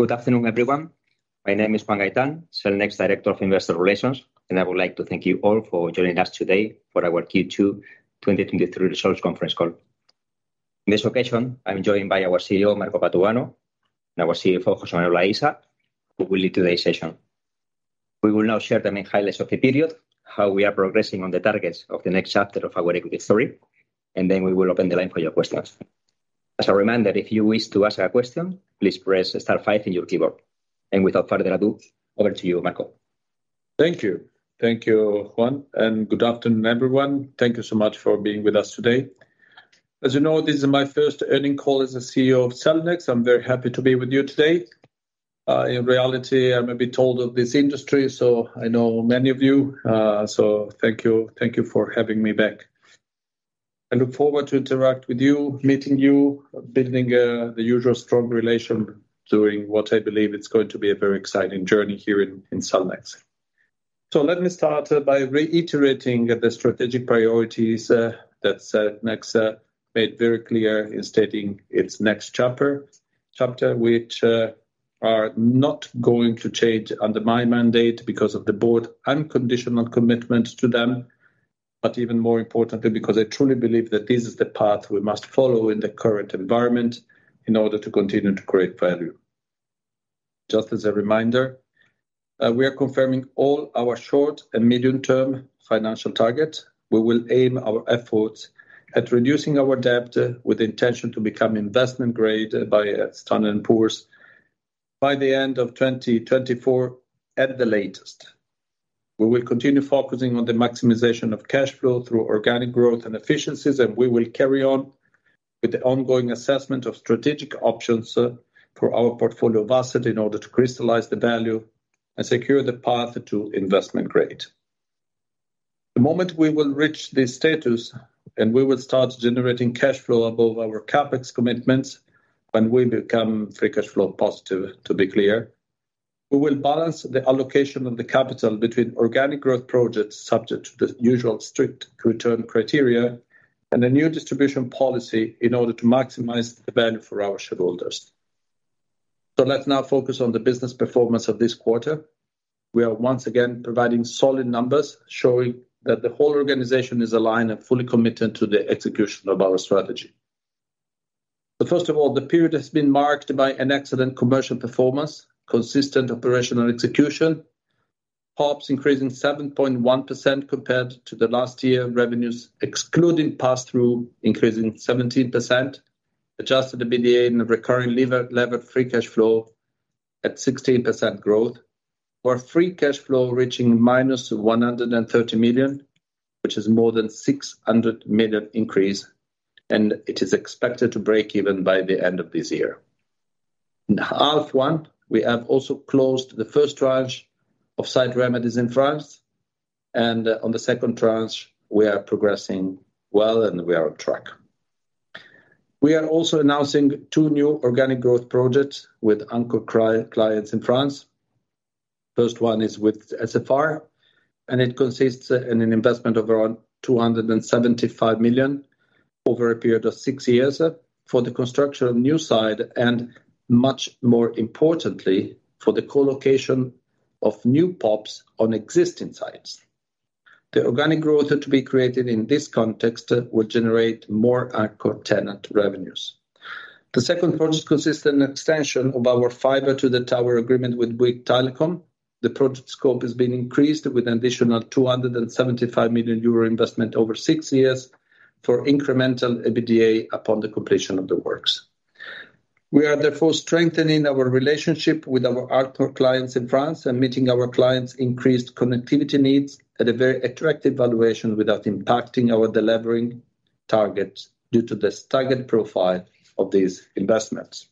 Good afternoon, everyone. My name is Juan Gaitán, Cellnex director of Investor Relations, and I would like to thank you all for joining us today for our Q2 2023 results conference call. On this occasion, I'm joined by our CEO, Marco Patuano, and our CFO, José Manuel Aisa, who will lead today's session. We will now share the main highlights of the period, how we are progressing on the targets of the next chapter of our equity story, and then we will open the line for your questions. As a reminder, if you wish to ask a question, please press star five on your keyboard. Without further ado, over to you, Marco. Thank you. Thank you, Juan, and good afternoon, everyone. Thank you so much for being with us today. As you know, this is my first earnings call as the CEO of Cellnex. I'm very happy to be with you today. In reality, I may be told of this industry, so I know many of you. Thank you. Thank you for having me back. I look forward to interact with you, meeting you, building the usual strong relation, doing what I believe it's going to be a very exciting journey here in Cellnex. Let me start by reiterating the strategic priorities that Cellnex made very clear in stating its next chapter, which are not going to change under my mandate because of the board unconditional commitment to them. Even more importantly, because I truly believe that this is the path we must follow in the current environment in order to continue to create value. Just as a reminder, we are confirming all our short and medium-term financial targets. We will aim our efforts at reducing our debt with the intention to become investment-grade by Standard & Poor's by the end of 2024 at the latest. We will continue focusing on the maximization of cash flow through organic growth and efficiencies, and we will carry on with the ongoing assessment of strategic options for our portfolio of assets in order to crystallize the value and secure the path to investment grade. The moment we will reach this status, we will start generating cash flow above our CapEx commitments, when we become free cash flow positive, to be clear, we will balance the allocation of the capital between organic growth projects, subject to the usual strict return criteria and a new distribution policy in order to maximize the value for our shareholders. Let's now focus on the business performance of this quarter. We are once again providing solid numbers, showing that the whole organization is aligned and fully committed to the execution of our strategy. First of all, the period has been marked by an excellent commercial performance, consistent operational execution, PoPs increasing 7.1% compared to the last year, revenues, excluding pass-through, increasing 17%, Adjusted EBITDA and Recurring Levered Free Cash Flow at 16% growth, our free cash flow reaching -130 million, which is more than 600 million increase, and it is expected to break even by the end of this year. In H1, we have also closed the first tranche of site remedies in France, and on the second tranche, we are progressing well, and we are on track. We are also announcing two new organic growth projects with anchor clients in France. First one is with SFR, it consists in an investment of around 275 million over a period of six years for the construction of new site, and much more importantly, for the co-location of new PoPs on existing sites. The organic growth to be created in this context will generate more anchor tenant revenues. The second project consists an extension of our Fiber to the Tower agreement with Bouygues Telecom. The project scope has been increased with an additional 275 million euro investment over six years for incremental EBITDA upon the completion of the works. We are therefore strengthening our relationship with our anchor clients in France and meeting our clients' increased connectivity needs at a very attractive valuation without impacting our delivering targets due to the staggered profile of these investments.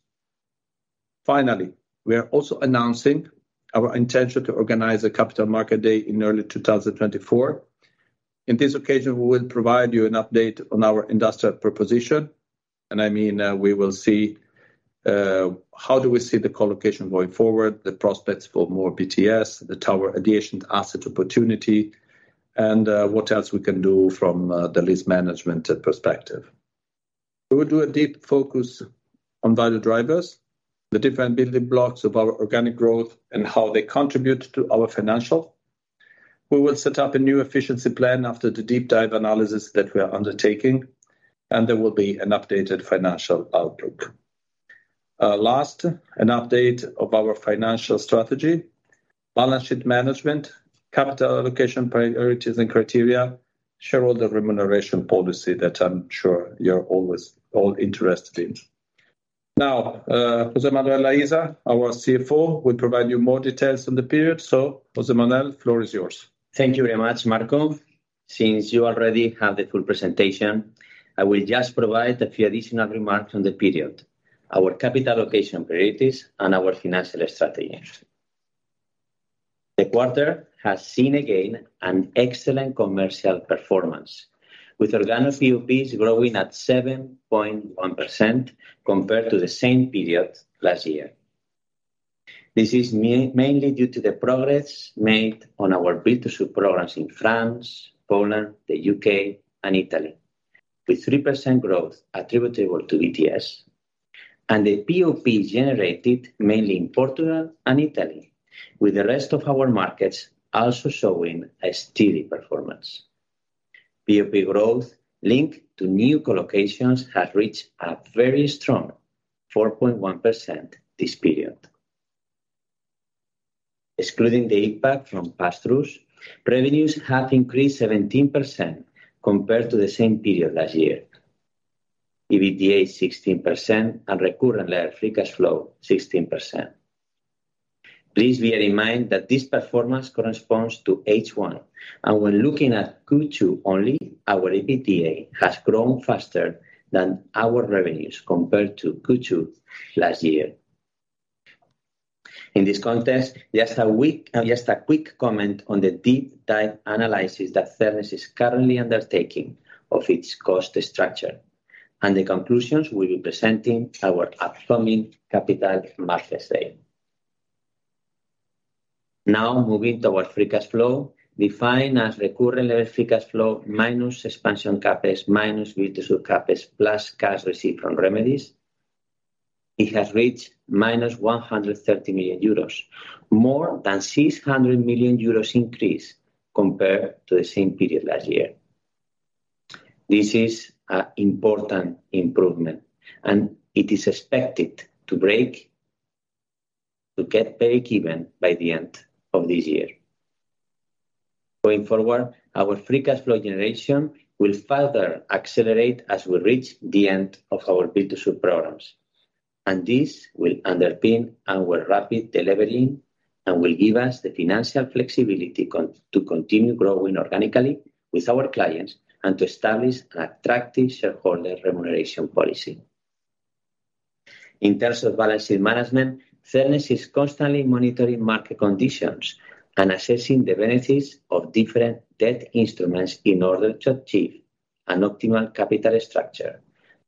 Finally, we are also announcing our intention to organize a Capital Markets Day in early 2024. In this occasion, we will provide you an update on our industrial proposition. I mean, we will see how do we see the co-location going forward, the prospects for more BTS, the tower adjacent asset opportunity. What else we can do from the lease management perspective. We will do a deep focus on value drivers, the different building blocks of our organic growth, and how they contribute to our financial. We will set up a new efficiency plan after the deep dive analysis that we are undertaking. There will be an updated financial outlook. Last, an update of our financial strategy, balance sheet management, capital allocation priorities and criteria, shareholder remuneration policy that I'm sure you're always all interested in. José Manuel Aisa, our CFO, will provide you more details on the period. José Manuel, floor is yours. Thank you very much, Marco. Since you already have the full presentation, I will just provide a few additional remarks on the period, our capital allocation priorities, and our financial strategies. The quarter has seen again, an excellent commercial performance, with organic PoPs growing at 7.1% compared to the same period last year. This is mainly due to the progress made on our BTS programs in France, Poland, the U.K, and Italy, with 3% growth attributable to BTS, and the POP generated mainly in Portugal and Italy, with the rest of our markets also showing a steady performance. POP growth linked to new collocations has reached a very strong 4.1% this period. Excluding the impact from pass-throughs, revenues have increased 17% compared to the same period last year. EBITDA 16%, and Recurring Levered Free Cash Flow 16%. Please bear in mind that this performance corresponds to H1, and when looking at Q2 only, our EBITDA has grown faster than our revenues compared to Q2 last year. In this context, just a quick comment on the deep dive analysis that Cellnex is currently undertaking of its cost structure, and the conclusions we'll be presenting our upcoming Capital Markets Day. Now, moving to our free cash flow, defined as recurring levered free cash flow minus expansion CapEx, minus BTS CapEx, plus cash received from remedies. It has reached -130 million euros, more than 600 million euros increase compared to the same period last year. This is a important improvement, and it is expected to get breakeven by the end of this year. Going forward, our free cash flow generation will further accelerate as we reach the end of our BTS programs. This will underpin our rapid delevering, and will give us the financial flexibility to continue growing organically with our clients, and to establish an attractive shareholder remuneration policy. In terms of balance sheet management, Cellnex is constantly monitoring market conditions and assessing the benefits of different debt instruments in order to achieve an optimal capital structure,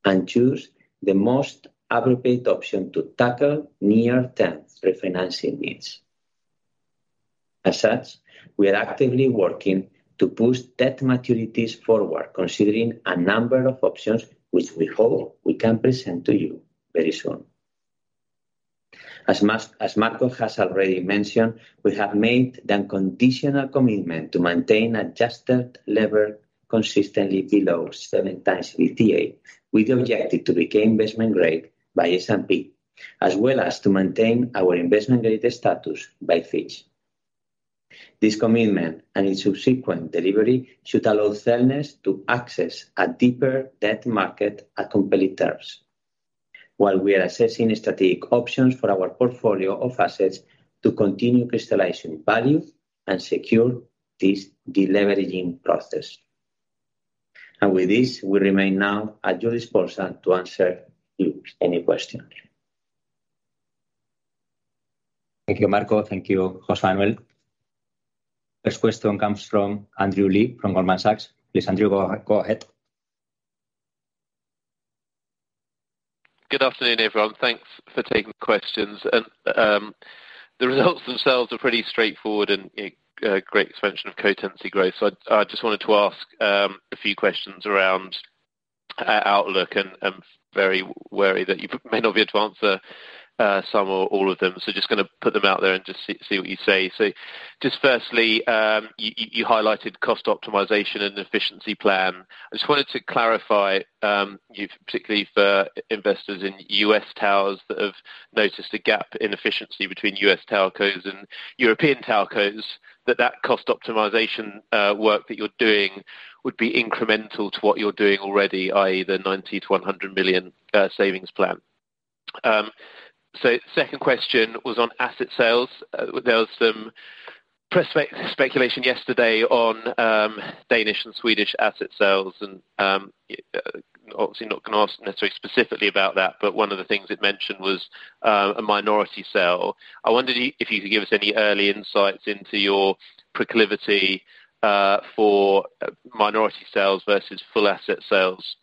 and choose the most appropriate option to tackle near-term refinancing needs. As such, we are actively working to push debt maturities forward, considering a number of options, which we hope we can present to you very soon. As Marco has already mentioned, we have made a conditional commitment to maintain adjusted lever consistently below 7 times EBITDA, with the objective to become investment-grade by S&P, as well as to maintain our investment-grade status by Fitch. This commitment, and its subsequent delivery, should allow Cellnex to access a deeper debt market at competitive terms, while we are assessing strategic options for our portfolio of assets to continue crystallizing value and secure this deleveraging process. With this, we remain now at your disposal to answer any questions. Thank you, Marco. Thank you, José Manuel. First question comes from Andrew Lee from Goldman Sachs. Please, Andrew, go ahead. Good afternoon, everyone. Thanks for taking questions. The results themselves are pretty straightforward and great expansion of co-tenancy growth. I just wanted to ask a few questions around outlook and very wary that you may not be able to answer some or all of them. Just gonna put them out there and just see what you say. Just firstly, you highlighted cost optimization and efficiency plan. I just wanted to clarify, particularly for investors in US towers that have noticed a gap in efficiency between US telcos and European telcos, that cost optimization work that you're doing would be incremental to what you're doing already, i.e., the 90 million-100 million savings plan. Second question was on asset sales. There was some press speculation yesterday on Danish and Swedish asset sales, and obviously not gonna ask necessarily specifically about that, but one of the things it mentioned was a minority sale. I wondered if you could give us any early insights into your proclivity for minority sales versus full asset sales.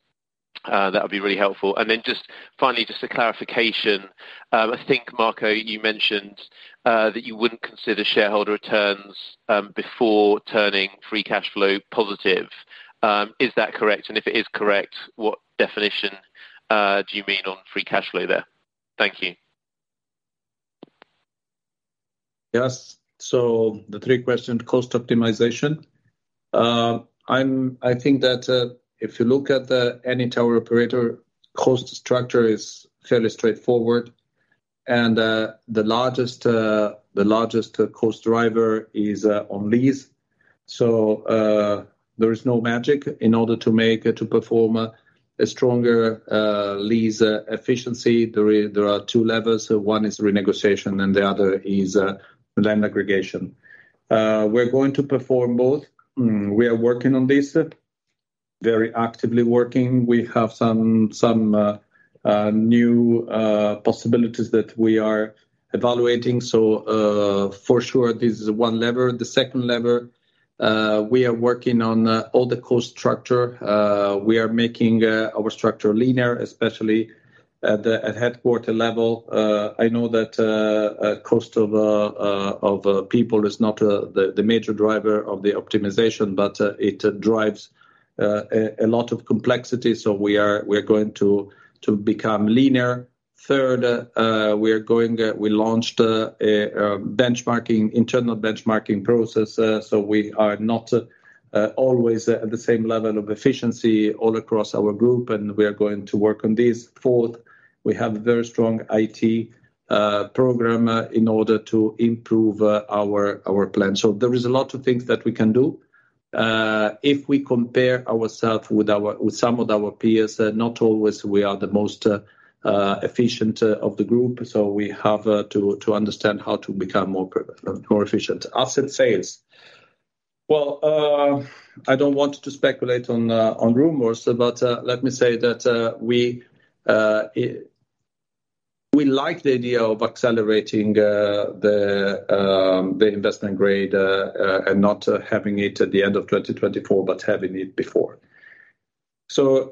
That would be really helpful. Just finally, just a clarification. I think, Marco, you mentioned that you wouldn't consider shareholder returns before turning free cash flow positive. Is that correct? If it is correct, what definition do you mean on free cash flow there? Thank you. Yes. The three question, cost optimization. I think that if you look at any tower operator, cost structure is fairly straightforward, the largest cost driver is on lease. There is no magic in order to make to perform a stronger lease efficiency. There are two levels. One is renegotiation, the other is land aggregation. We're going to perform both. We are working on this, very actively working. We have some new possibilities that we are evaluating. For sure, this is 1 level. The 2nd level. We are working on all the cost structure. We are making our structure leaner, especially at the headquarter level. I know that a cost of people is not the major driver of the optimization, but it drives a lot of complexity. We are going to become linear. Third, we launched a benchmarking, internal benchmarking process. We are not always at the same level of efficiency all across our group, and we are going to work on this. Fourth, we have a very strong IT program in order to improve our plan. There is a lot of things that we can do. If we compare ourself with some of our peers, not always we are the most efficient of the group, we have to understand how to become more efficient. Asset sales. I don't want to speculate on rumors, let me say that we like the idea of accelerating the investment grade and not having it at the end of 2024, but having it before.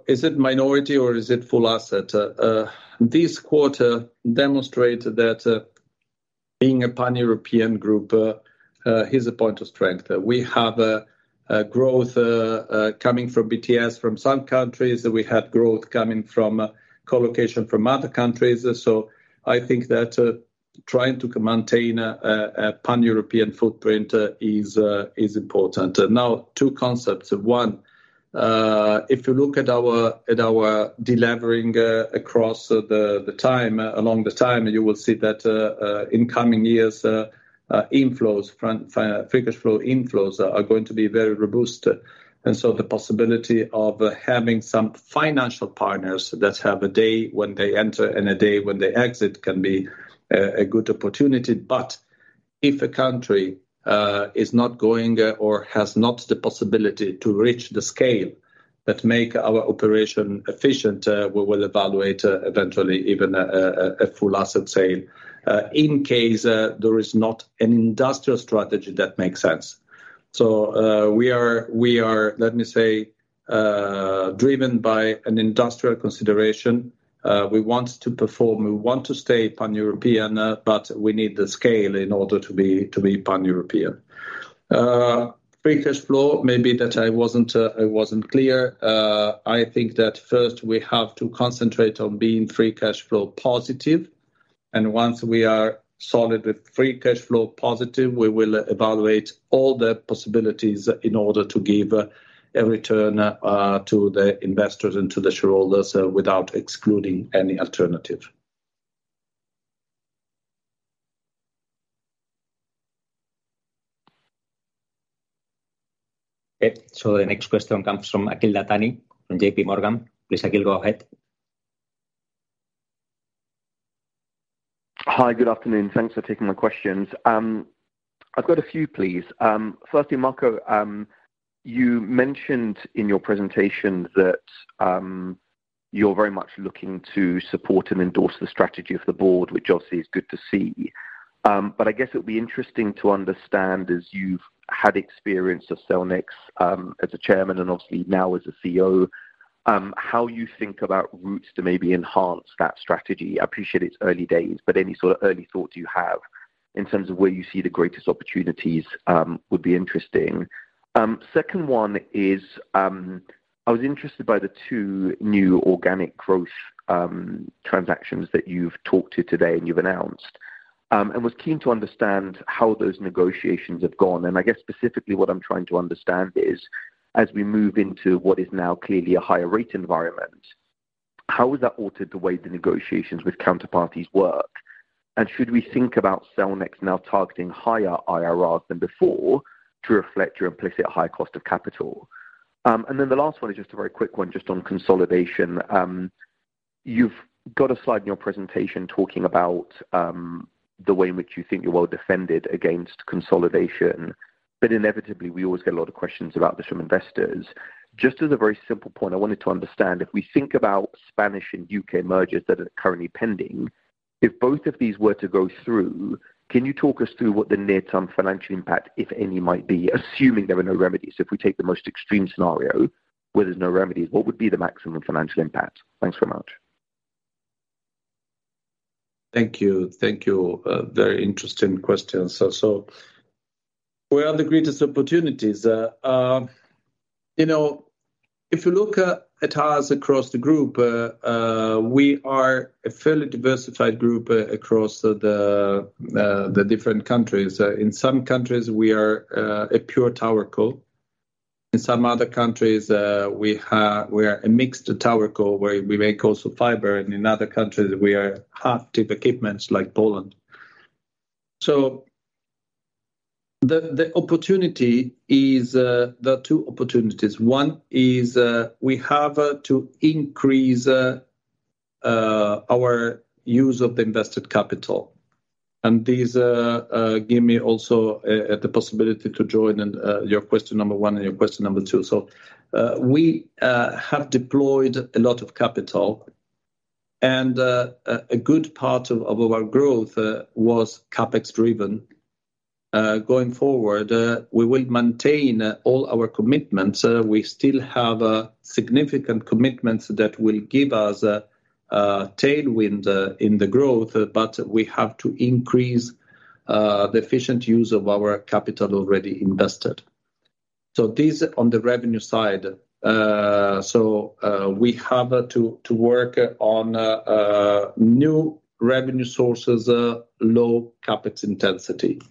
Is it minority or is it full asset? This quarter demonstrated that being a pan-European group is a point of strength. We have a growth coming from BTS, from some countries, we had growth coming from colocation from other countries. I think that, trying to maintain a pan-European footprint, is important. Now, two concepts. One, if you look at our delevering, across the time, along the time, you will see that, in coming years, inflows, front, free cash flow inflows are going to be very robust. The possibility of having some financial partners that have a day when they enter and a day when they exit can be a good opportunity. If a country, is not going, or has not the possibility to reach the scale that make our operation efficient, we will evaluate, eventually even a full asset sale, in case, there is not an industrial strategy that makes sense. We are, let me say, driven by an industrial consideration. We want to perform, we want to stay pan-European, but we need the scale in order to be pan-European. Free cash flow, maybe that I wasn't clear. I think that first we have to concentrate on being free cash flow positive, and once we are solid with free cash flow positive, we will evaluate all the possibilities in order to give a return to the investors and to the shareholders, without excluding any alternative. Okay. The next question comes from Akhil Dattani, from JPMorgan. Please, Akhil, go ahead. Hi, good afternoon. Thanks for taking my questions. I've got a few, please. Firstly, Marco, you mentioned in your presentation that you're very much looking to support and endorse the strategy of the board, which obviously is good to see. I guess it would be interesting to understand, as you've had experience of Cellnex, as a chairman and obviously now as a CEO, how you think about routes to maybe enhance that strategy. I appreciate it's early days, but any sort of early thoughts you have in terms of where you see the greatest opportunities would be interesting. Second one is, I was interested by the two new organic growth transactions that you've talked to today and you've announced, and was keen to understand how those negotiations have gone. I guess specifically what I'm trying to understand is, as we move into what is now clearly a higher rate environment, how has that altered the way the negotiations with counterparties work? Should we think about Cellnex now targeting higher IRRs than before to reflect your implicit high cost of capital? The last one is just a very quick one, just on consolidation. You've got a slide in your presentation talking about the way in which you think you're well defended against consolidation. Inevitably, we always get a lot of questions about this from investors. Just as a very simple point, I wanted to understand, if we think about Spanish and U.K. mergers that are currently pending, if both of these were to go through, can you talk us through what the near-term financial impact, if any, might be, assuming there are no remedies? If we take the most extreme scenario where there's no remedies, what would be the maximum financial impact? Thanks very much. Thank you. Thank you. Very interesting questions. Where are the greatest opportunities? You know, if you look at us across the group, we are a fairly diversified group across the different countries. In some countries, we are a Pure TowerCo. In some other countries, we are a mixed TowerCo, where we make also fiber, and in other countries, we are half deep equipments like Poland. The, the opportunity is, there are two opportunities. One is, we have to increase our use of the invested capital, and these give me also the possibility to join in your question number one and your question number two. We have deployed a lot of capital. A good part of our growth was CapEx driven. Going forward, we will maintain all our commitments. We still have significant commitments that will give us a tailwind in the growth, but we have to increase the efficient use of our capital already invested. This on the revenue side. We have to work on a new revenue sources, low CapEx intensity.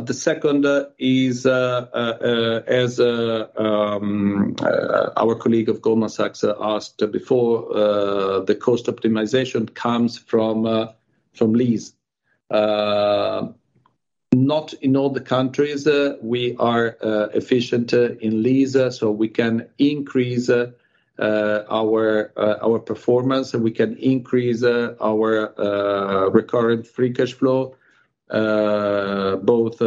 The second is as our colleague of Goldman Sachs asked before, the cost optimization comes from lease. Not in all the countries, we are efficient in lease, we can increase our performance, and we can increase our recurrent free cash flow, both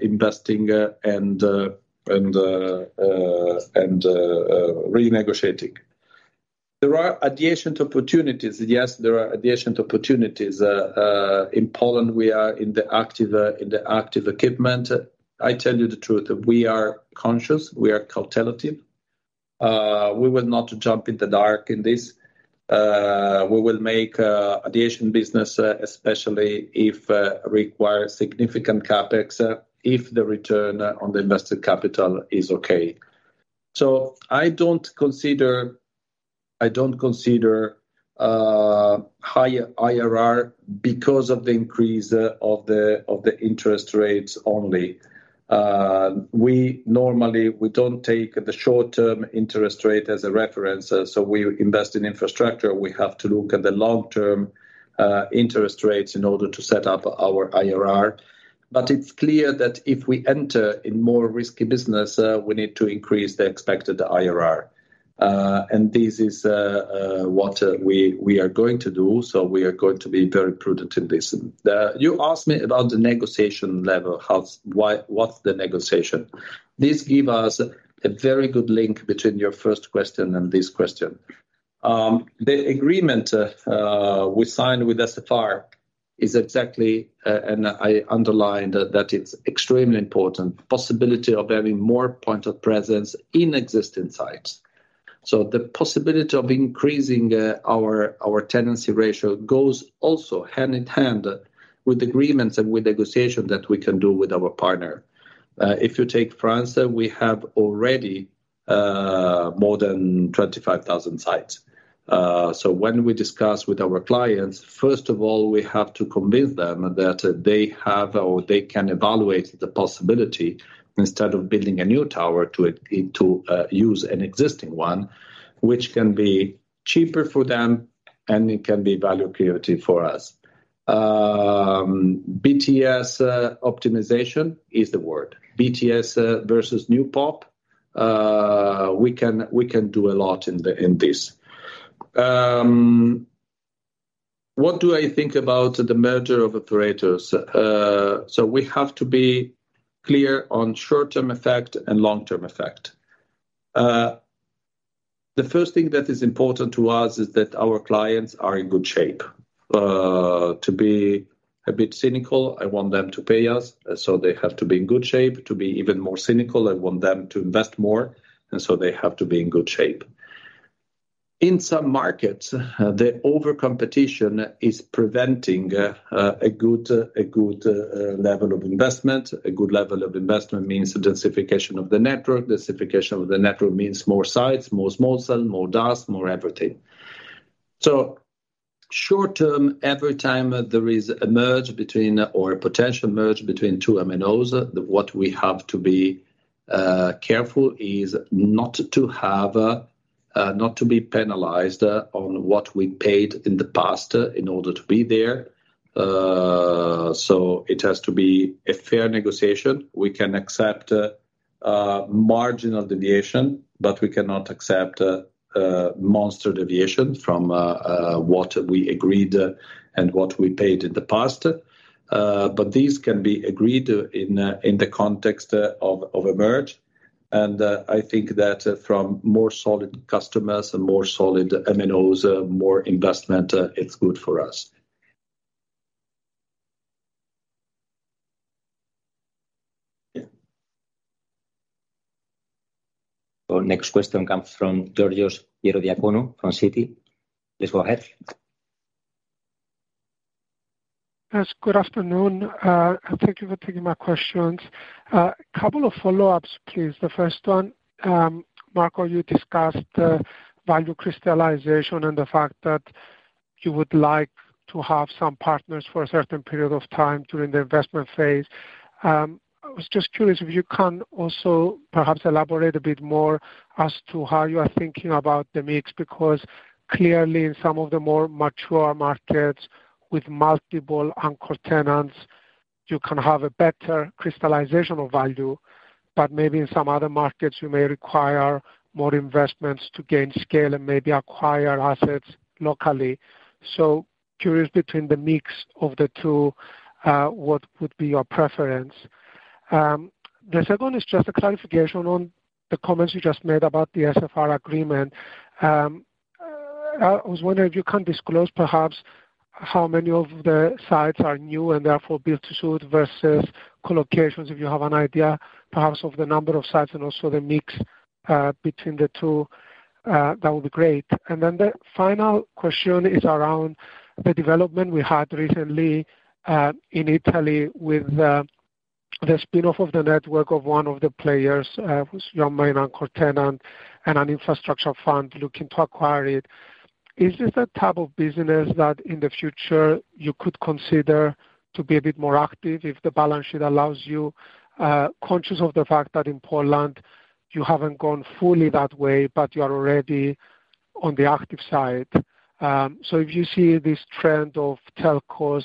investing and renegotiating. There are adjacent opportunities. Yes, there are adjacent opportunities. In Poland, we are in the active in the active equipment. I tell you the truth, we are conscious, we are cautelative. We will not jump in the dark in this. We will make adjacent business, especially if require significant CapEx, if the return on the invested capital is okay. I don't consider, I don't consider higher IRR because of the increase of the interest rates only. We normally, we don't take the short-term interest rate as a reference, so we invest in infrastructure. We have to look at the long-term interest rates in order to set up our IRR. It's clear that if we enter in more risky business, we need to increase the expected IRR. This is what we are going to do, so we are going to be very prudent in this. You asked me about the negotiation level. How's, why, what's the negotiation? This give us a very good link between your first question and this question. The agreement we signed with SFR is exactly, and I underline that, that it's extremely important, possibility of having more point of presence in existing sites. The possibility of increasing our tenancy ratio goes also hand in hand with agreements and with negotiations that we can do with our partner. If you take France, we have already more than 25,000 sites. When we discuss with our clients, first of all, we have to convince them that they have or they can evaluate the possibility, instead of building a new tower, to use an existing one, which can be cheaper for them, and it can be value creative for us. BTS optimization is the word. BTS versus new PoP, we can do a lot in this. What do I think about the merger of operators? We have to be clear on short-term effect and long-term effect. The first thing that is important to us is that our clients are in good shape. To be a bit cynical, I want them to pay us, so they have to be in good shape. To be even more cynical, I want them to invest more, and so they have to be in good shape. In some markets, the over competition is preventing a good level of investment. A good level of investment means densification of the network. Densification of the network means more sites, more small cells, more DAS, more everything. Short term, every time there is a merge between or a potential merge between two MNOs, what we have to be careful is not to have not to be penalized on what we paid in the past in order to be there. It has to be a fair negotiation. We can accept a marginal deviation, but we cannot accept a monster deviation from what we agreed and what we paid in the past. This can be agreed in the context of a merge. I think that from more solid customers and more solid MNOs, more investment, it's good for us. Our next question comes from Georgios Ierodiaconou, from Citi. Please go ahead. Yes, good afternoon. Thank you for taking my questions. A couple of follow-ups, please. The first one, Marco, you discussed value crystallization and the fact that you would like to have some partners for a certain period of time during the investment phase. I was just curious if you can also perhaps elaborate a bit more as to how you are thinking about the mix, because clearly in some of the more mature markets with multiple anchor tenants, you can have a better crystallization of value. Maybe in some other markets, you may require more investments to gain scale and maybe acquire assets locally. Curious between the mix of the two, what would be your preference? The second is just a clarification on the comments you just made about the SFR agreement. I was wondering if you can disclose perhaps how many of the sites are new and therefore built to suit versus co-locations, if you have an idea perhaps of the number of sites and also the mix between the two, that would be great. The final question is around the development we had recently in Italy with the, the spin-off of the network of one of the players, who's your main anchor tenant and an infrastructure fund looking to acquire it. Is this the type of business that in the future you could consider to be a bit more active if the balance sheet allows you? Conscious of the fact that in Poland, you haven't gone fully that way, but you are already on the active side. If you see this trend of telcos,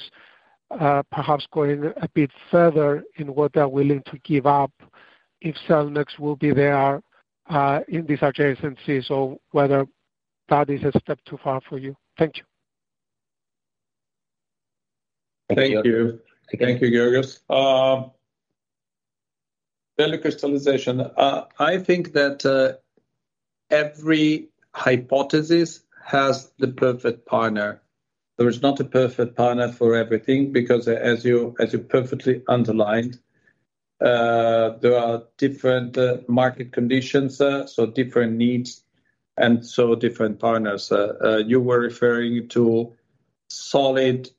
perhaps going a bit further in what they are willing to give up, if Cellnex will be there, in these adjacencies, or whether that is a step too far for you. Thank you. Thank you. Thank you, Georgios. Early crystallization. I think that every hypothesis has the perfect partner. There is not a perfect partner for everything because as you perfectly underlined, there are different market conditions, so different needs and so different partners. You were referring to solid,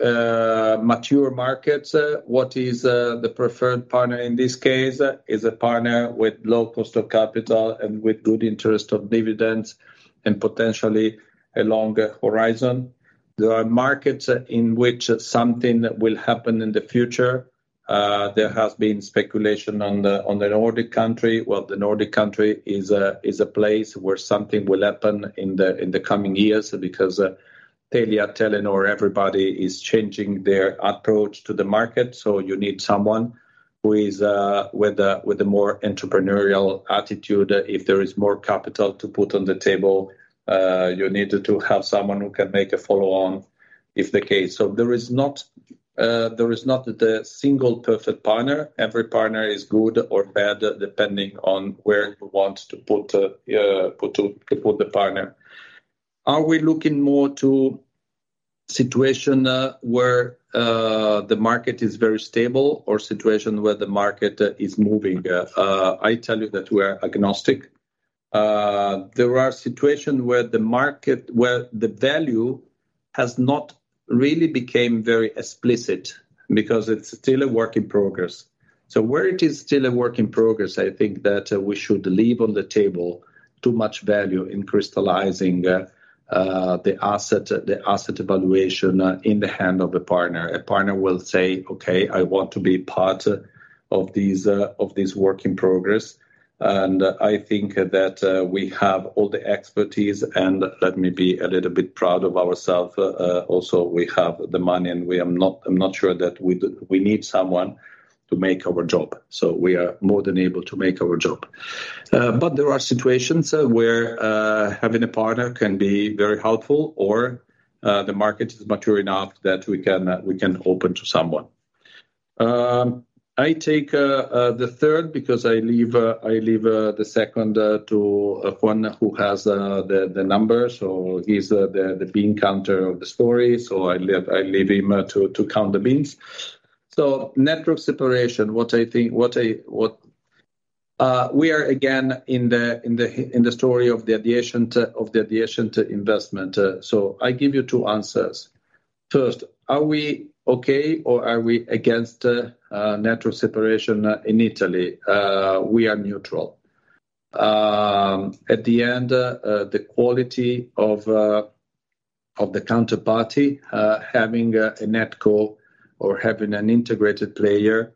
mature markets. What is the preferred partner in this case? Is a partner with low cost of capital and with good interest of dividends and potentially a longer horizon. There are markets in which something will happen in the future. There has been speculation on the Nordic country. Well, the Nordic country is a place where something will happen in the coming years because Telia, Telenor, everybody is changing their approach to the market. You need someone who is with a more entrepreneurial attitude. If there is more capital to put on the table, you need to have someone who can make a follow-on if the case. There is not the single perfect partner. Every partner is good or bad, depending on where you want to put the partner. Are we looking more to situation where the market is very stable or situation where the market is moving? I tell you that we are agnostic. There are situations where the value has not really became very explicit because it's still a work in progress. Where it is still a work in progress, I think that we should leave on the table too much value in crystallizing the asset evaluation in the hand of the partner. A partner will say, "Okay, I want to be part of this, of this work in progress." I think that we have all the expertise, and let me be a little bit proud of ourselves. Also, we have the money, and I'm not sure that we need someone to make our job, so we are more than able to make our job. There are situations where having a partner can be very helpful or the market is mature enough that we can open to someone. Because I leave the second to one who has the numbers or he's the bean counter of the story. I leave him to count the beans. Network separation, what I think, what I, what. We are again in the story of the addition to, of the addition to investment. I give you two answers. First, are we okay, or are we against network separation in Italy? We are neutral. At the end, the quality of the counterparty, having a NetCo or having an integrated player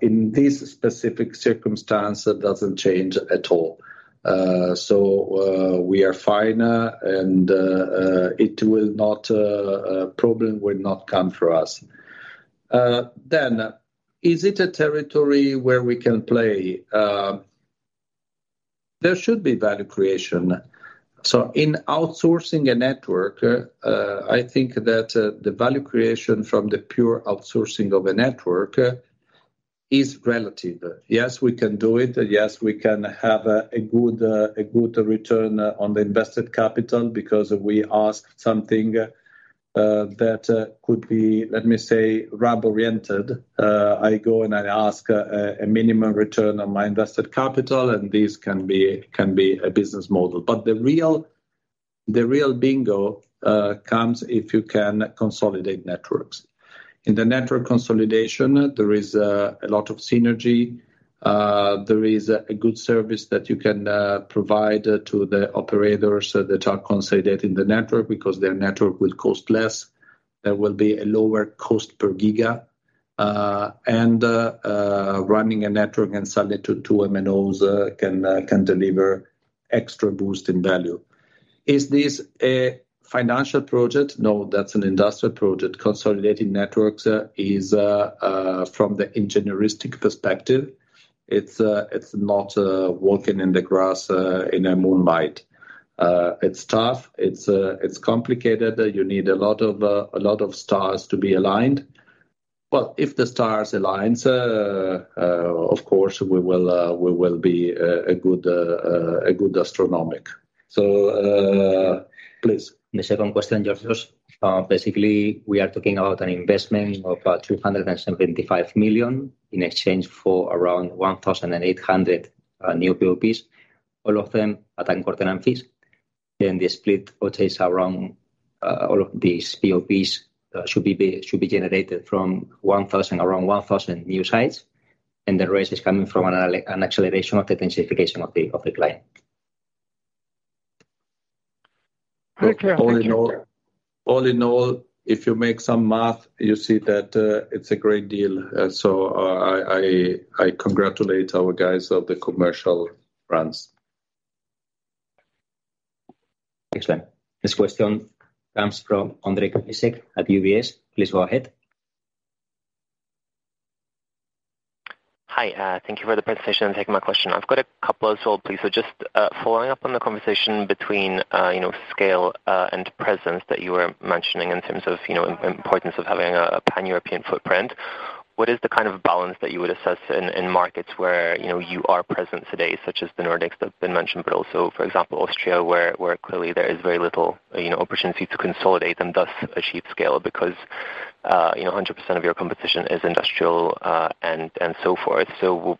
in this specific circumstance, that doesn't change at all. We are fine, and problem will not come for us. Is it a territory where we can play? There should be value creation. In outsourcing a network, I think that the value creation from the pure outsourcing of a network is relative. Yes, we can do it. Yes, we can have a good return on the invested capital because we ask something that could be, let me say, rapid oriented. I go and I ask a minimum return on my invested capital, and this can be a business model. The real bingo comes if you can consolidate networks. In the network consolidation, there is a lot of synergy. There is a good service that you can provide to the operators that are consolidating the network, because their network will cost less. There will be a lower cost per giga. Running a network and sell it to MNOs can deliver extra boost in value. Is this a financial project? No, that's an industrial project. Consolidating networks is from the engineering perspective. It's not working in the grass in a moonlight. It's tough. It's complicated. You need a lot of stars to be aligned. If the stars aligns, of course, we will be a good astronomic. Please. The second question, Georgios, basically, we are talking about an investment of about 275 million in exchange for around 1,800 new PoPs, all of them at important fees. The split rotates around, all of these PoPs should be generated from 1,000, around 1,000 new sites, and the rest is coming from an acceleration of the densification of the client. All in all, if you make some math, you see that, it's a great deal. I congratulate our guys of the commercial brands. Excellent. This question comes from Andre Kukhnin at UBS. Please go ahead. Hi, thank you for the presentation and taking my question. I've got a couple as well, please. Just following up on the conversation between, you know, scale and presence that you were mentioning in terms of, you know, importance of having a Pan-European footprint. What is the kind of balance that you would assess in markets where, you know, you are present today, such as the Nordics that have been mentioned, but also, for example, Austria, where clearly there is very little, you know, opportunity to consolidate and thus achieve scale? Because, you know, 100% of your competition is industrial, and so forth.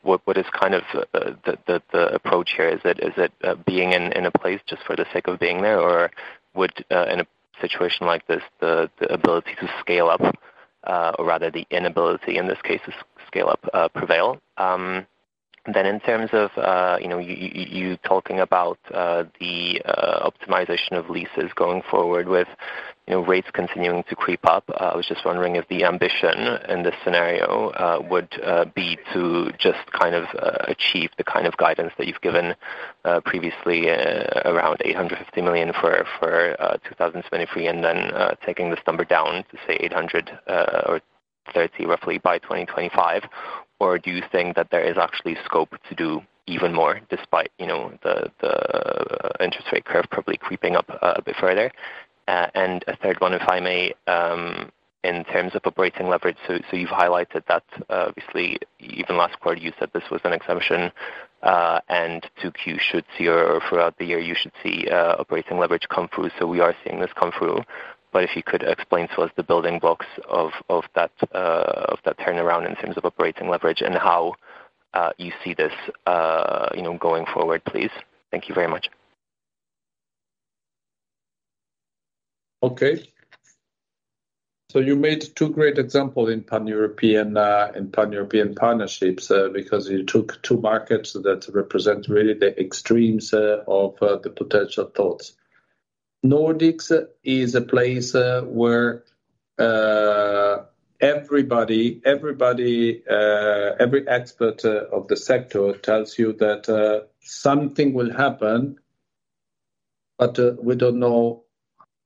What, what is kind of the approach here? Is it, is it being in a place just for the sake of being there? Would in a situation like this, the ability to scale up, or rather the inability, in this case, to scale up, prevail? In terms of, you know, you talking about the optimization of leases going forward with, you know, rates continuing to creep up. I was just wondering if the ambition in this scenario would be to just, kind of, achieve the kind of guidance that you've given previously, around 850 million for 2023, taking this number down to, say, 800, or 30 roughly by 2025. Do you think that there is actually scope to do even more, despite, you know, the interest rate curve probably creeping up a bit further? A third one, if I may, in terms of operating leverage, so you've highlighted that obviously. Even last quarter, you said this was an exemption, Q2 should see or throughout the year, you should see operating leverage come through. We are seeing this come through. If you could explain to us the building blocks of that turnaround in terms of operating leverage and how you see this, you know, going forward, please. Thank you very much. Okay, so you made two great examples in Pan-European partnerships because you took two markets that represent really the extremes of the potential thoughts. Nordics is a place where everybody, every expert of the sector tells you that something will happen, but we don't know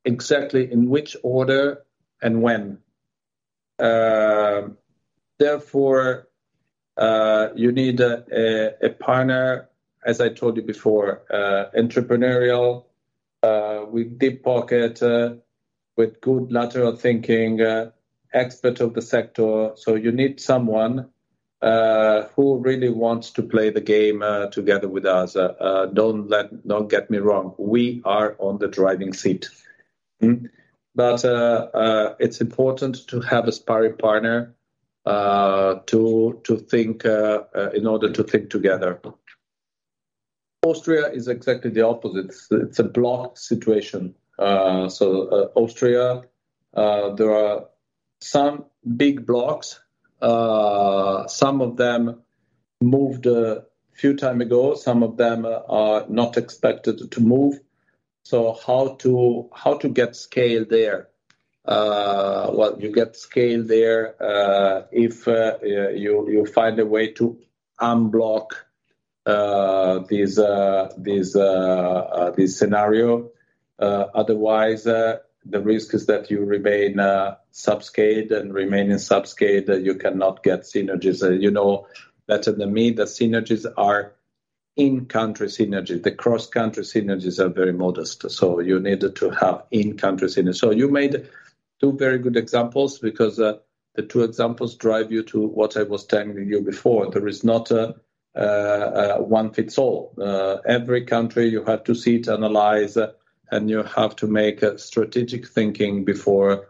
exactly in which order and when. Therefore, you need a partner, as I told you before, entrepreneurial, with deep pocket, with good lateral thinking, expert of the sector. You need someone who really wants to play the game together with us. Don't get me wrong, we are on the driving seat. But it's important to have a sparring partner to think in order to think together. Austria is exactly the opposite. It's a blocked situation. Austria, there are some big blocks. Some of them moved a few time ago. Some of them are not expected to move. How to get scale there? Well, you get scale there, if you find a way to unblock these, these, this scenario. Otherwise, the risk is that you remain subscale and remaining subscale, you cannot get synergies. You know better than me, the synergies are in-country synergies. The cross-country synergies are very modest, so you need to have in-country synergy. You made two very good examples, because the two examples drive you to what I was telling you before. There is not a one-fits-all. Every country, you have to sit, analyze, and you have to make a strategic thinking before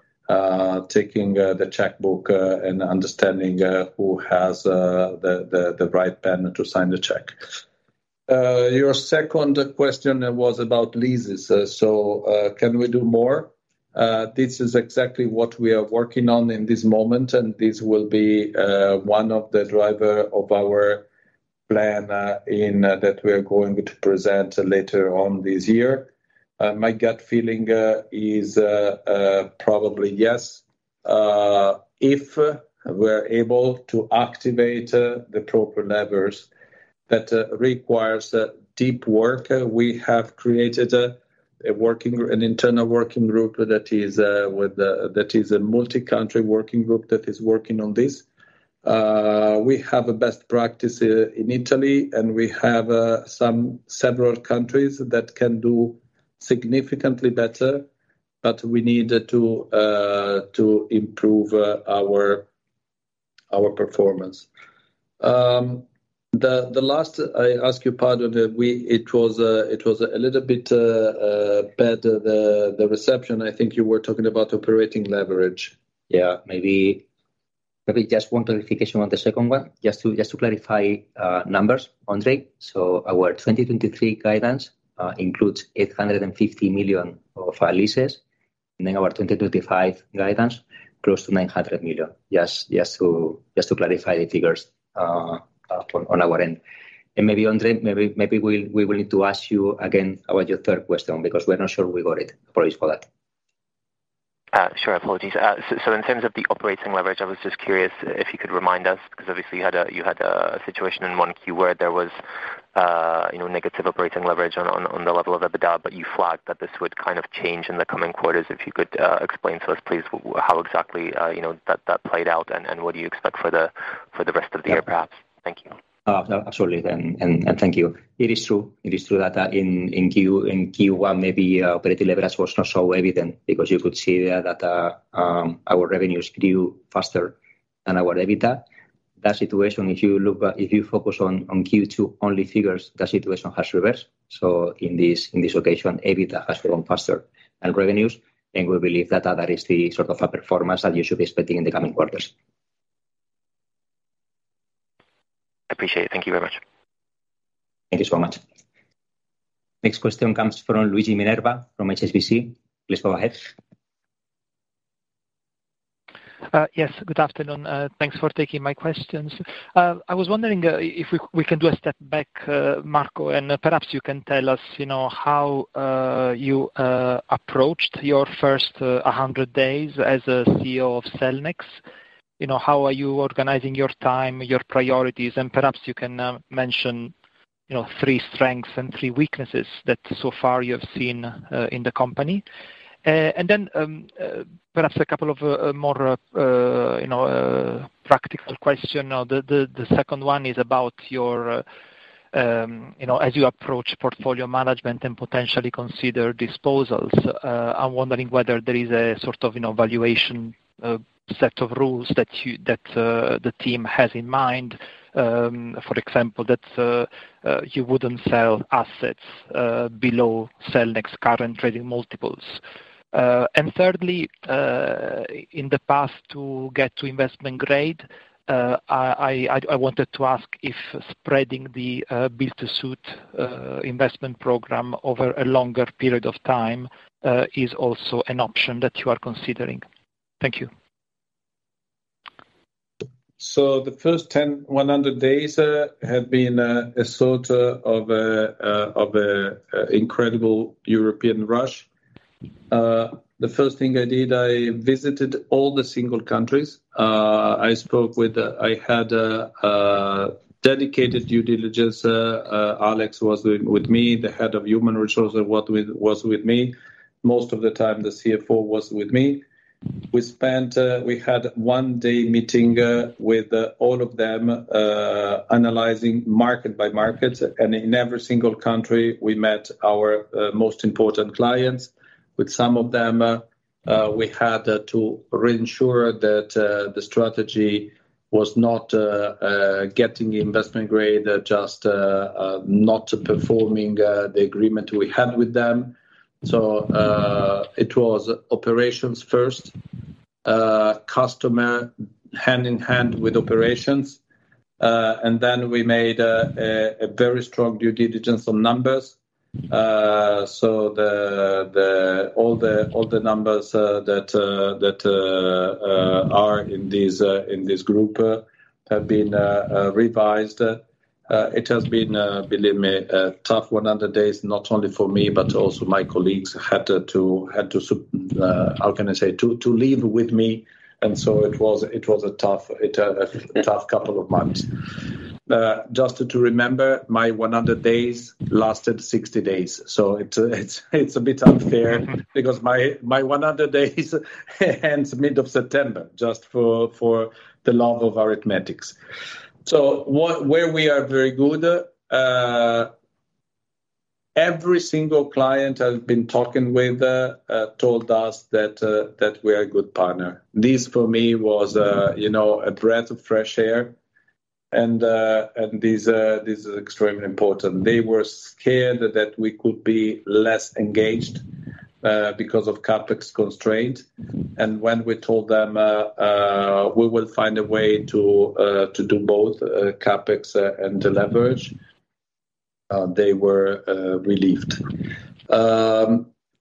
taking the checkbook and understanding who has the, the, the right pen to sign the check. Your second question was about leases. Can we do more? This is exactly what we are working on in this moment, and this will be one of the driver of our plan that we are going to present later on this year. My gut feeling is probably yes. If we're able to activate the proper levers that requires a deep work. We have created an internal working group that is with that is a multi-country working group that is working on this. We have a best practice in Italy, and we have some, several countries that can do significantly better, but we need to improve our performance. The last, I ask you pardon, that we—it was a little bit bad, the reception. I think you were talking about operating leverage. Yeah. Maybe just one clarification on the second one, just to clarify numbers, Andre. Our 2023 guidance includes 850 million of our leases, and then our 2025 guidance, close to 900 million. Just to clarify the figures on our end. Maybe, Andre, maybe we will need to ask you again about your third question because we're not sure we got it. Apologies for that. Sure. Apologies. In terms of the operating leverage, I was just curious if you could remind us, because obviously you had a situation in Q1 where there was, you know, negative operating leverage on the level of EBITDA, but you flagged that this would kind of change in the coming quarters. If you could explain to us, please, how exactly, you know, that played out, and what do you expect for the rest of the year, perhaps? Thank you. Absolutely, thank you. It is true. It is true that in Q1, maybe operating leverage was not so evident because you could see that our revenues grew faster than our EBITDA. That situation, if you focus on Q2 only figures, the situation has reversed. In this occasion, EBITDA has grown faster than revenues, and we believe that that is the sort of a performance that you should be expecting in the coming quarters. I appreciate it. Thank you very much. Thank you so much. Next question comes from Luigi Minerva, from HSBC. Please go ahead. Yes, good afternoon. Thanks for taking my questions. I was wondering if we can do a step back, Marco, and perhaps you can tell us, you know, how you approached your first 100 days as CEO of Cellnex. You know, how are you organizing your time, your priorities? Perhaps you can mention, you know, three strengths and three weaknesses that so far you have seen in the company. Perhaps a couple of more, you know, practical question. The second one is about your, you know, as you approach portfolio management and potentially consider disposals, I'm wondering whether there is a sort of, you know, valuation set of rules that you, that the team has in mind. For example, that you wouldn't sell assets below Cellnex current trading multiples. Thirdly, in the past, to get to investment grade, I wanted to ask if spreading the build-to-suit investment program over a longer period of time is also an option that you are considering. Thank you. The first 10, 100 days have been a sort of a incredible European rush. The first thing I did, I visited all the single countries. I had a dedicated due diligence, Alex was with me, the head of human resources, was with me. Most of the time, the CFO was with me. We had one-day meeting with all of them, analyzing market by market, and in every single country, we met our most important clients. With some of them, we had to reinsure that the strategy was not getting investment grade, just not performing the agreement we had with them. It was operations first, customer hand in hand with operations, and then we made a very strong due diligence on numbers. All the numbers that are in these in this group have been revised. It has been, believe me, a tough 100 days, not only for me, but also my colleagues had to. How can I say? To leave with me, it was a tough couple of months. Just to remember, my 100 days lasted 60 days, it's a bit unfair because my 100 days ends mid of September, just for the love of arithmetics. Where we are very good, every single client I've been talking with, told us that we are a good partner. This, for me, was, you know, a breath of fresh air, and this is extremely important. They were scared that we could be less engaged because of CapEx constraint, and when we told them, we will find a way to do both CapEx and the leverage, they were relieved.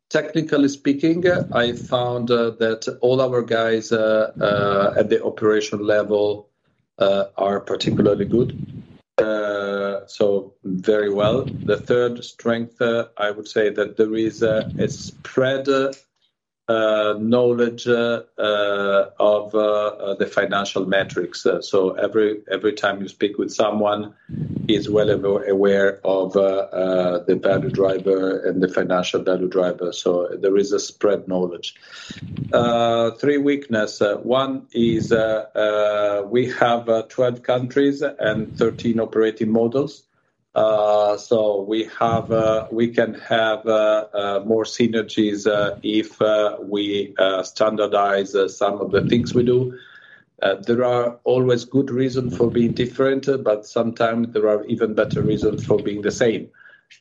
Technically speaking, I found that all our guys at the operational level are particularly good. Very well. The third strength, I would say that there is a spread knowledge of the financial metrics. Every, every time you speak with someone, he is well aware of the value driver and the financial value driver, so there is a spread knowledge. Three weakness. One is, we have 12 countries and 13 operating models. We have, we can have more synergies if we standardize some of the things we do. There are always good reason for being different, but sometimes there are even better reasons for being the same.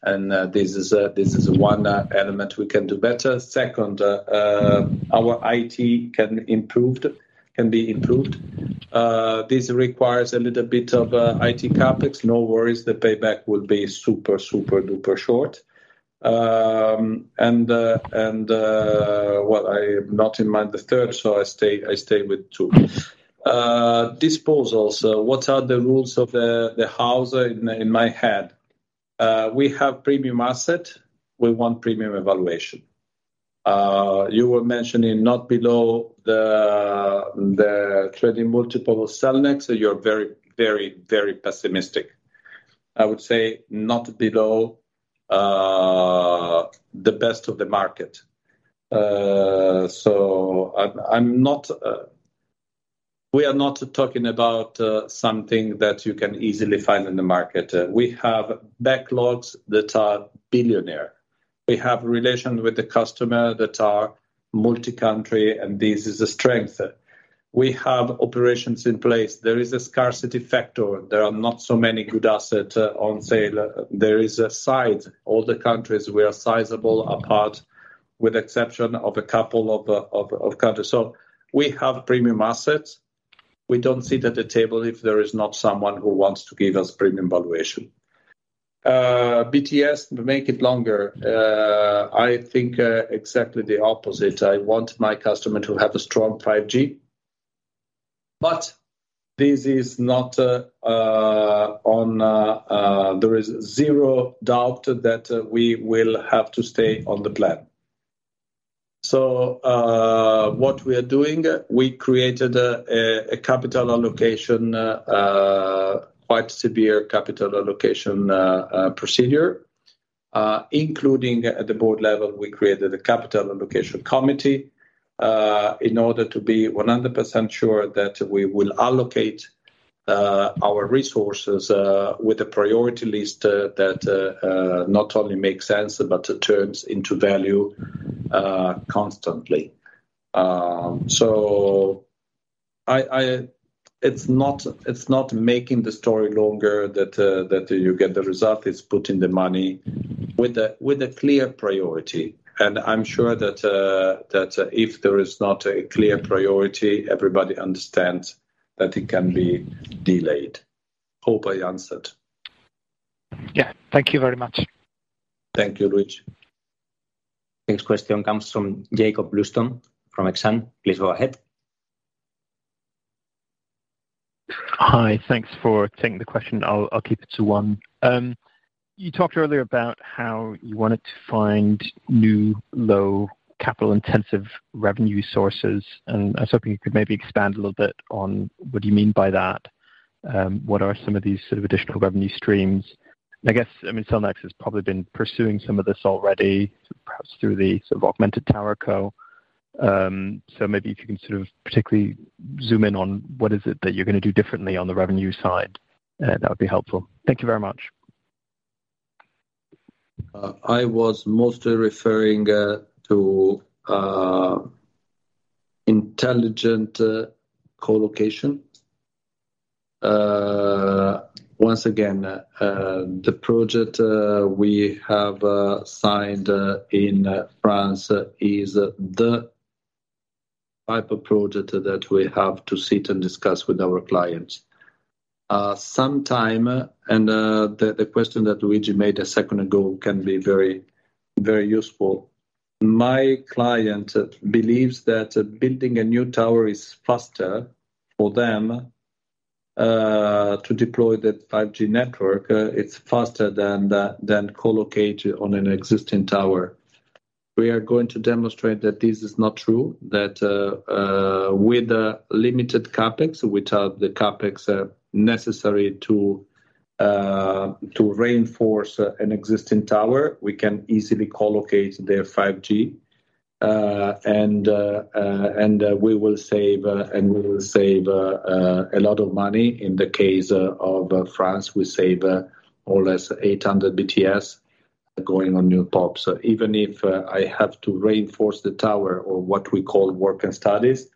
This is one element we can do better. Second, our IT can be improved. This requires a little bit of IT CapEx. No worries, the payback will be super, super-duper short. Well, I not in mind the third, so I stay with two. Disposals. What are the rules of the house in my head? We have premium asset, we want premium evaluation. You were mentioning not below the trading multiple Cellnex, so you're very, very, very pessimistic. I would say not below the best of the market. I'm not, we are not talking about something that you can easily find in the market. We have backlogs that are billionaire. We have relations with the customer that are multi-country, and this is a strength. We have operations in place. There is a scarcity factor. There are not so many good asset on sale. There is a size. All the countries, we are sizable apart, with exception of a couple of countries. We have premium assets. We don't sit at the table if there is not someone who wants to give us premium valuation. BTS, make it longer. I think exactly the opposite. I want my customer to have a strong 5G, but this is not there is zero doubt that we will have to stay on the plan. What we are doing, we created a capital allocation quite severe capital allocation procedure, including at the board level, we created a capital allocation committee in order to be 100% sure that we will allocate our resources with a priority list that not only makes sense, but turns into value constantly. So I, it's not, it's not making the story longer that you get the result. It's putting the money with a clear priority. And I'm sure that if there is not a clear priority, everybody understands that it can be delayed. Hope I answered. Yeah. Thank you very much. Thank you, Luigi. Next question comes from Jakob Bluestone from Exane. Please go ahead. Hi, thanks for taking the question. I'll keep it to one. You talked earlier about how you wanted to find new low capital-intensive revenue sources, and I was hoping you could maybe expand a little bit on what you mean by that. What are some of these sort of additional revenue streams? I guess, I mean, Cellnex has probably been pursuing some of this already, perhaps through the sort of Augmented TowerCo. Maybe if you can sort of particularly zoom in on what is it that you're gonna do differently on the revenue side, that would be helpful. Thank you very much. I was mostly referring to intelligent colocation. Once again, the project we have signed in France is the type of project that we have to sit and discuss with our clients. Sometime, and the question that Luigi made a second ago can be very, very useful. My client believes that building a new tower is faster for them to deploy the 5G network. It's faster than colocate on an existing tower. We are going to demonstrate that this is not true. That with a limited CapEx, without the CapEx necessary to reinforce an existing tower, we can easily colocate their 5G. We will save a lot of money. In the case of France, we save more or less 800 BTS going on new top. Even if I have to reinforce the tower or what we call works and studies,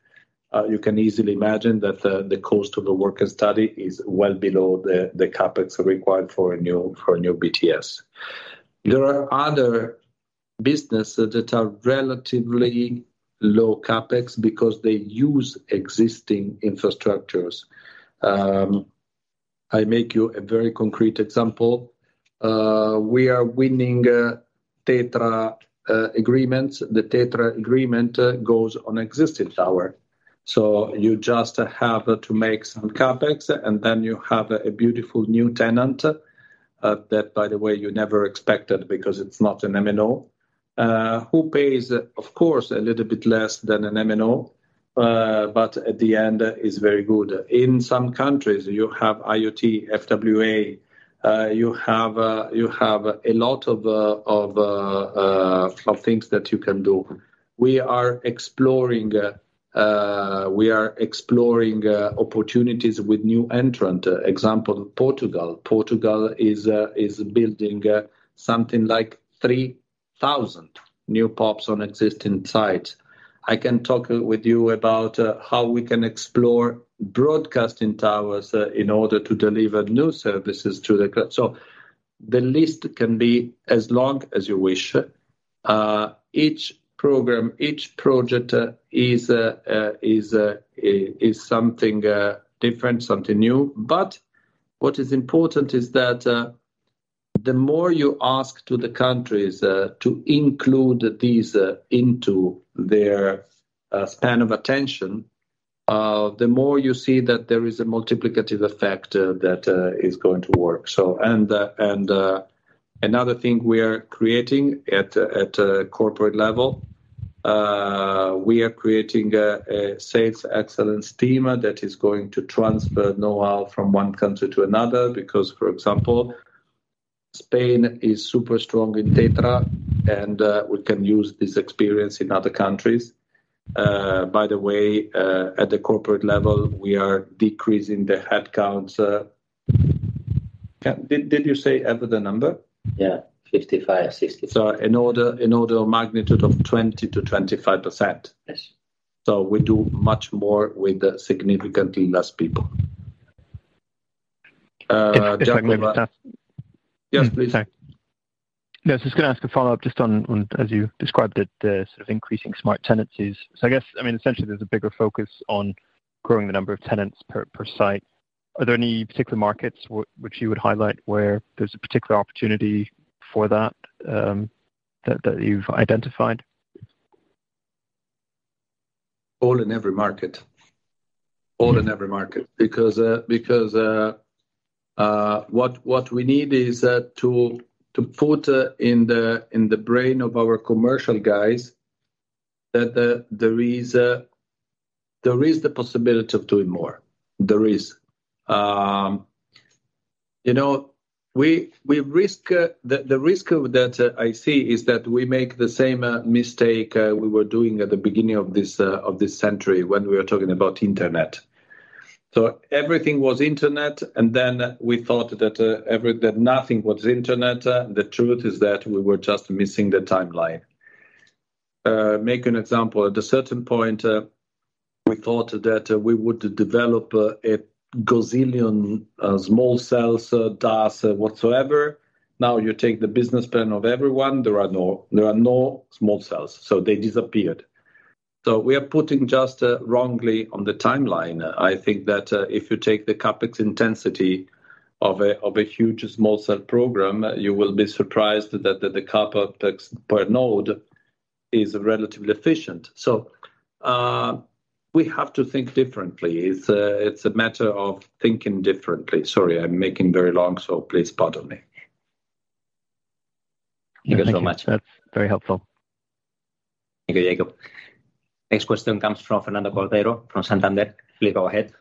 you can easily imagine that the cost of the work and study is well below the CapEx required for a new BTS. There are other businesses that are relatively low CapEx because they use existing infrastructures. I make you a very concrete example. We are winning TETRA agreements. The TETRA agreement goes on existing tower. You just have to make some CapEx, and then you have a beautiful new tenant that, by the way, you never expected, because it's not an M&O who pays, of course, a little bit less than an M&O. At the end, is very good. In some countries, you have IoT, FWA, you have a lot of things that you can do. We are exploring, we are exploring opportunities with new entrant. Example, Portugal. Portugal is building something like 3,000 new PoPs on existing sites. I can talk with you about how we can explore broadcasting towers in order to deliver new services to the country. The list can be as long as you wish. Each program, each project is something different, something new. What is important is that, the more you ask to the countries, to include these, into their, span of attention, the more you see that there is a multiplicative effect, that, is going to go into work. Another thing we are creating at corporate level, we are creating a sales excellence team that is going to transfer know-how from one country to another, because, for example, Spain is super strong in TETRA, and, we can use this experience in other countries. By the way, at the corporate level, we are decreasing the headcounts. Did you say ever the number? Yeah, 55, 60. An order of magnitude of 20%-25%. Yes. We do much more with significantly less people. If I may interrupt. Yes, please. I was just gonna ask a follow-up just on as you described it, the sort of increasing smart tenancies. I guess, I mean, essentially, there's a bigger focus on growing the number of tenants per site. Are there any particular markets which you would highlight where there's a particular opportunity for that, you've identified? All in every market. Mm-hmm. All in every market, because because what we need is to put in the brain of our commercial guys, that there is there is the possibility of doing more. There is. You know, we risk the risk of that I see is that we make the same mistake we were doing at the beginning of this century when we were talking about internet. Everything was internet, we thought that nothing was internet. The truth is that we were just missing the timeline. Make an example, at a certain point, we thought that we would develop a gazillion small cells, DAS, whatsoever. Now, you take the business plan of everyone, there are no small cells, so they disappeared. We are putting just, wrongly on the timeline. I think that, if you take the CapEx intensity of a huge small cell program, you will be surprised that the CapEx per node is relatively efficient. We have to think differently. It's, it's a matter of thinking differently. Sorry, I'm making very long, so please pardon me. Thank you so much. That's very helpful. Thank you, Jakob. Next question comes from Fernando Cordero, from Santander. Please go ahead.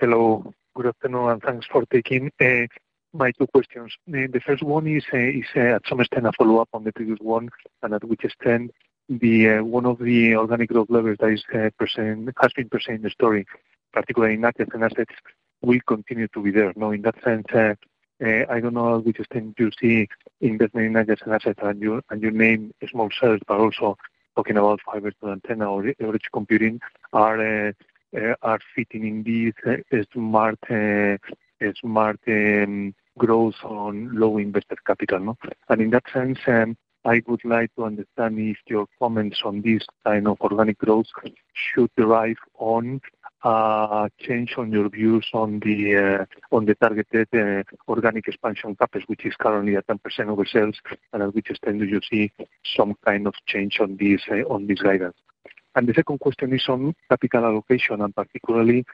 Hello, good afternoon. Thanks for taking my two questions. The first one is at some extent a follow-up on the previous one. At which extent the one of the organic growth levels that has been percent in the story, particularly in access and assets, will continue to be there. In that sense, I don't know which extent you see investment in access and assets, and you name small cells, but also talking about Fiber to the Antenna or edge computing are fitting in this as smart, as smart growth on low invested capital. In that sense, I would like to understand if your comments on this kind of organic growth should derive on change on your views on the targeted organic expansion purpose, which is currently at 10% of the sales, and at which extent do you see some kind of change on this guidance? The second question is on capital allocation, and particularly,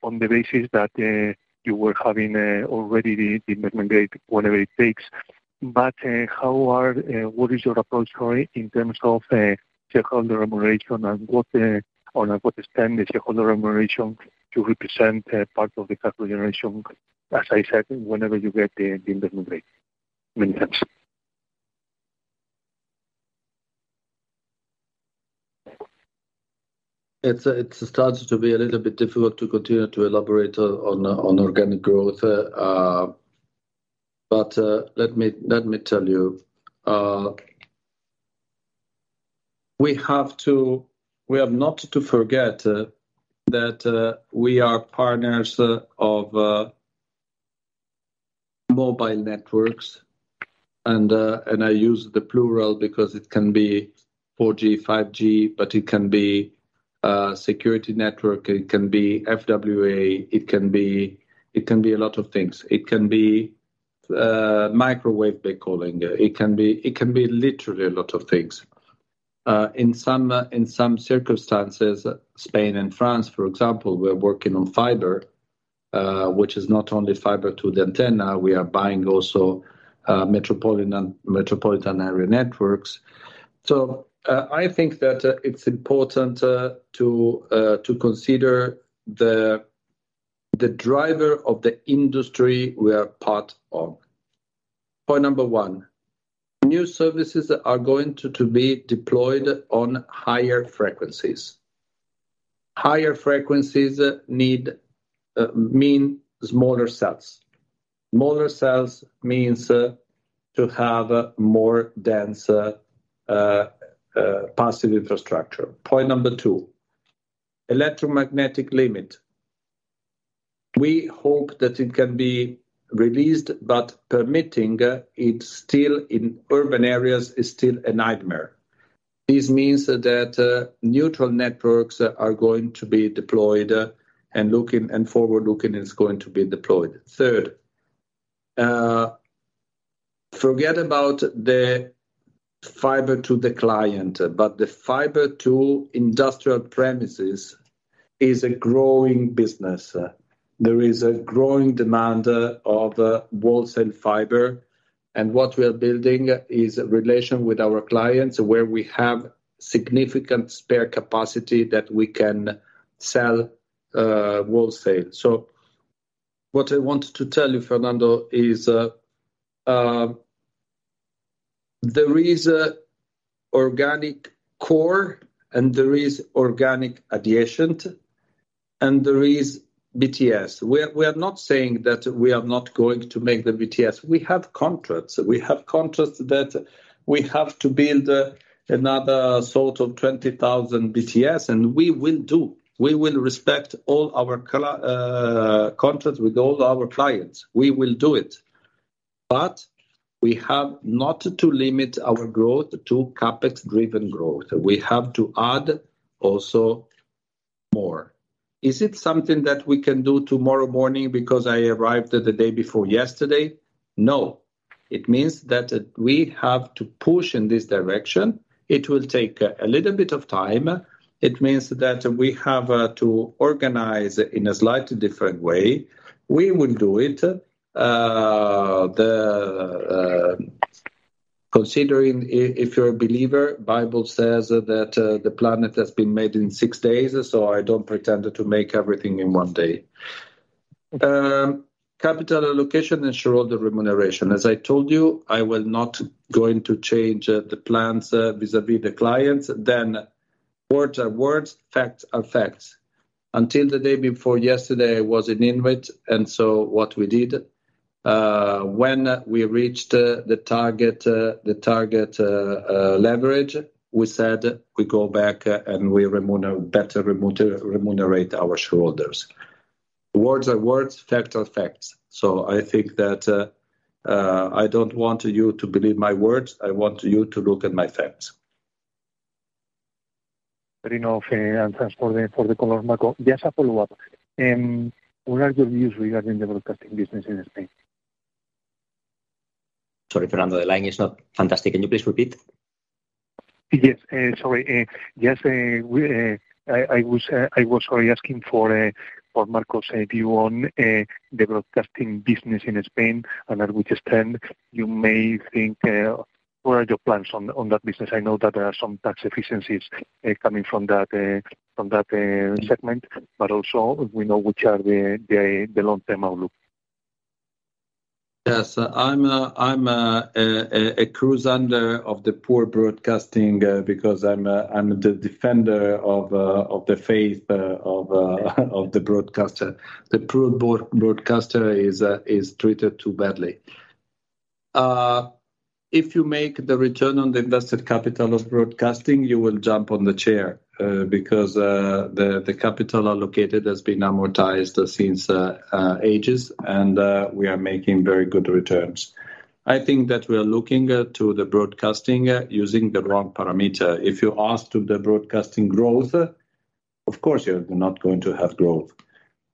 on the basis that you were having already the implementate, whatever it takes. What is your approach story in terms of shareholder remuneration and what on what extent the shareholder remuneration to represent part of the cash flow generation, as I said, whenever you get the implementate? Many thanks. It's, it starts to be a little bit difficult to continue to elaborate on organic growth. Let me tell you, we have not to forget that we are partners of mobile networks, and I use the plural because it can be 4G, 5G, but it can be a security network, it can be FWA, it can be a lot of things. It can be microwave backhauling. It can be literally a lot of things. In some circumstances, Spain and France, for example, we're working on fiber, which is not only Fiber to the Antenna, we are buying also metropolitan area networks. I think that it's important to consider the driver of the industry we are part of. Point number one, new services are going to be deployed on higher frequencies. Higher frequencies need mean smaller cells. Smaller cells means to have a more dense passive infrastructure. Point number two, electromagnetic limit. We hope that it can be released, but permitting, it's still in urban areas, is still a nightmare. This means that neutral networks are going to be deployed, and forward-looking is going to be deployed. Third, forget about the Fiber to the client, but the Fiber to industrial premises is a growing business. There is a growing demand of wholesale Fiber. What we are building is a relation with our clients, where we have significant spare capacity that we can sell wholesale. What I want to tell you, Fernando, is there is a organic core, and there is organic adjacent, and there is BTS. We are not saying that we are not going to make the BTS. We have contracts. We have contracts that we have to build another sort of 20,000 BTS, and we will do. We will respect all our contracts with all our clients. We will do it. We have not to limit our growth to CapEx-driven growth. We have to add also more. Is it something that we can do tomorrow morning because I arrived at the day before yesterday? No. It means that we have to push in this direction. It will take a little bit of time. It means that we have to organize in a slightly different way. We will do it. Considering if you're a believer, Bible says that the planet has been made in six days, so I don't pretend to make everything in one day. Capital allocation and shareholder remuneration. As I told you, I will not going to change the plans vis-à-vis the clients. Words are words, facts are facts. Until the day before yesterday, I was in INWIT, what we did when we reached the target, the target leverage, we said we go back and we remunerate our shareholders. Words are words, facts are facts. I think that, I don't want you to believe my words, I want you to look at my facts. Very well, thanks for the, for the call, Marco. Just a follow-up. What are your views regarding the broadcasting business in Spain? Sorry, Fernando, the line is not fantastic. Can you please repeat? Yes, sorry, yes, I was sorry, asking for Marco's view on the broadcasting business in Spain, and at which extent you may think, what are your plans on that business? I know that there are some tax efficiencies, coming from that segment. Also, we know which are the long-term outlook. Yes. I'm a crusader of the poor broadcasting, because I'm the defender of the faith of the broadcaster. The poor broadcaster is treated too badly. If you make the return on the invested capital of broadcasting, you will jump on the chair, because the capital allocated has been amortized since ages, and we are making very good returns. I think that we are looking to the broadcasting using the wrong parameter. If you ask to the broadcasting growth, of course, you're not going to have growth.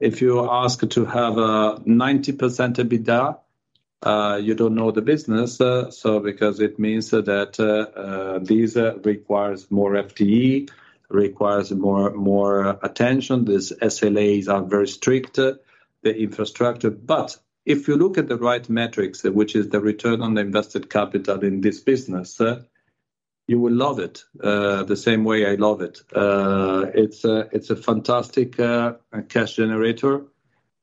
If you ask to have a 90% EBITDA, you don't know the business, so because it means that these requires more FTE, requires more attention. These SLAs are very strict, the infrastructure. If you look at the right metrics, which is the return on the invested capital in this business, you will love it, the same way I love it. It's a fantastic cash generator.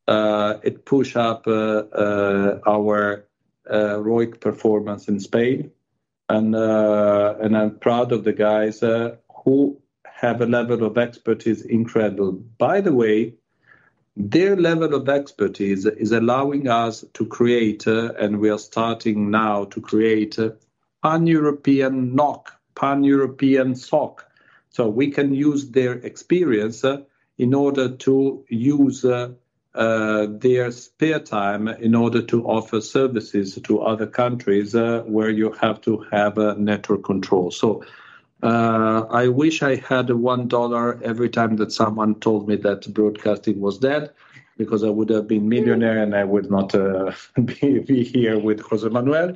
It push up our ROIC performance in Spain, and I'm proud of the guys who have a level of expertise, incredible. By the way, their level of expertise is allowing us to create, and we are starting now to create a Pan-European NOC, Pan-European SOC, so we can use their experience in order to use their spare time in order to offer services to other countries, where you have to have a network control. I wish I had EUR 1 every time that someone told me that broadcasting was dead, because I would have been millionaire, and I would not be here with José Manuel.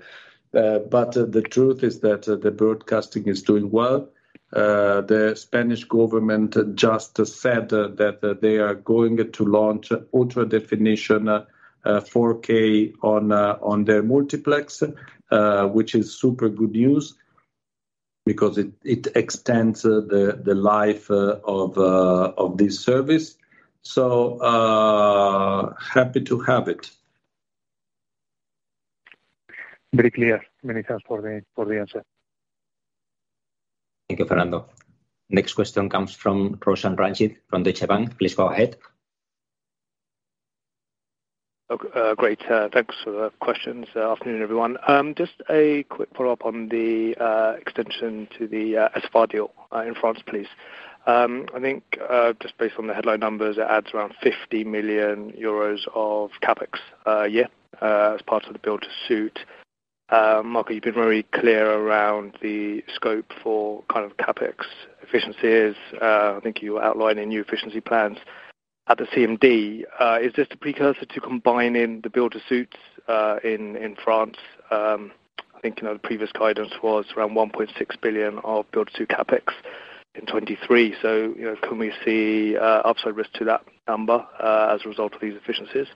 The truth is that the broadcasting is doing well. The Spanish government just said that they are going to launch ultra-definition 4K on their multiplex, which is super good news, because it extends the life of this service. Happy to have it. Very clear. Many thanks for the, for the answer. Thank you, Fernando. Next question comes from Roshan Ranjit from Deutsche Bank. Please go ahead. Okay, great. Thanks for the questions. Afternoon, everyone. Just a quick follow-up on the extension to the SFR deal in France, please. I think, just based on the headline numbers, it adds around 50 million euros of CapEx as part of the build-to-suit. Marco, you've been very clear around the scope for kind of CapEx efficiencies. I think you outlined in new efficiency plans at the CMD. Is this a precursor to combining the build-to-suits in France? I think, you know, the previous guidance was around 1.6 billion of build-to-suit CapEx in 2023. You know, can we see upside risk to that number as a result of these efficiencies?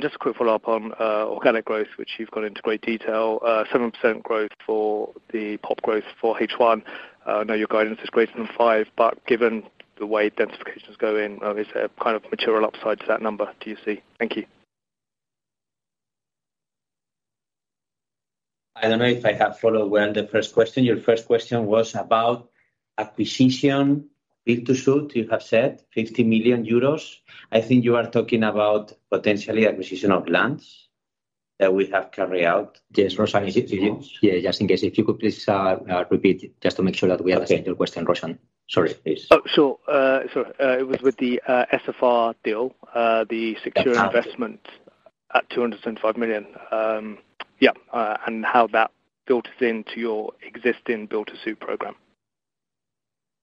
Just a quick follow-up on organic growth, which you've gone into great detail. 7% growth for the PoP growth for H1. I know your guidance is greater than five, but given the way densifications going, is there a kind of material upside to that number, do you see? Thank you. I don't know if I have followed well the first question. Your first question was about acquisition, Build-to-Suit. You have said 50 million euros. I think you are talking about potentially acquisition of lands that we have carried out. Yes, Roshan. Yeah, just in case, if you could please repeat it, just to make sure that we understand. Okay. Your question, Roshan. Sorry, please. Oh, sure. It was with the SFR deal. Ah. At 275 million. How that filters into your existing Build-to-Suit program.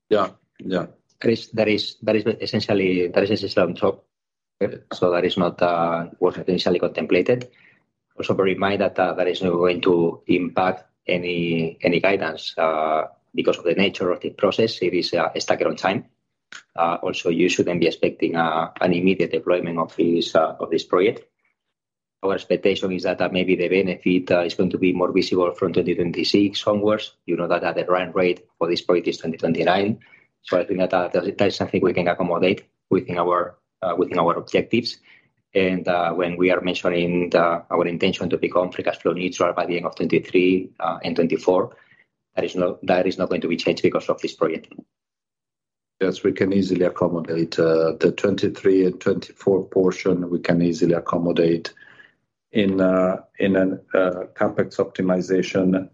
Yeah. Yeah. That is essentially, that is a system talk. That is not what initially contemplated. Also bear in mind that that is not going to impact any guidance because of the nature of the process. It is stacked on time. Also, you shouldn't be expecting an immediate deployment of this project. Our expectation is that maybe the benefit is going to be more visible from 2026 onwards. You know, that at the run rate for this project is 2029. I think that that is something we can accommodate within our objectives. When we are mentioning the, our intention to become free cash flow neutral by the end of 2023 and 2024, that is not going to be changed because of this project. Yes, we can easily accommodate, the 23 and 24 portion, we can easily accommodate in an CapEx optimization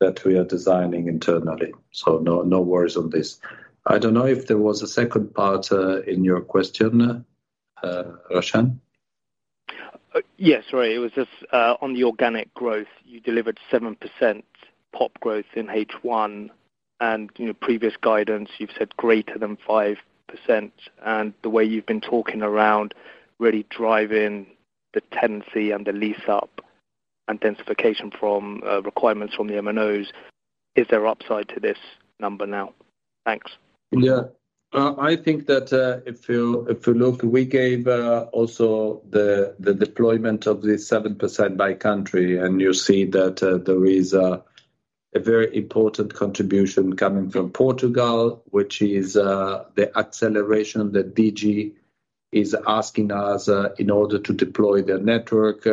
that we are designing internally. No, no worries on this. I don't know if there was a second part, in your question, Roshan? Yes, right. It was just on the organic growth. You delivered 7% PoP growth in H1, you know, previous guidance, you've said greater than 5%. The way you've been talking around really driving the tenancy and the lease-up and densification from requirements from the MNOs. Is there upside to this number now? Thanks. Yeah. I think that if you, if you look, we gave also the deployment of the 7% by country, and you see that there is a very important contribution coming from Portugal, which is the acceleration that DIGI is asking us in order to deploy their network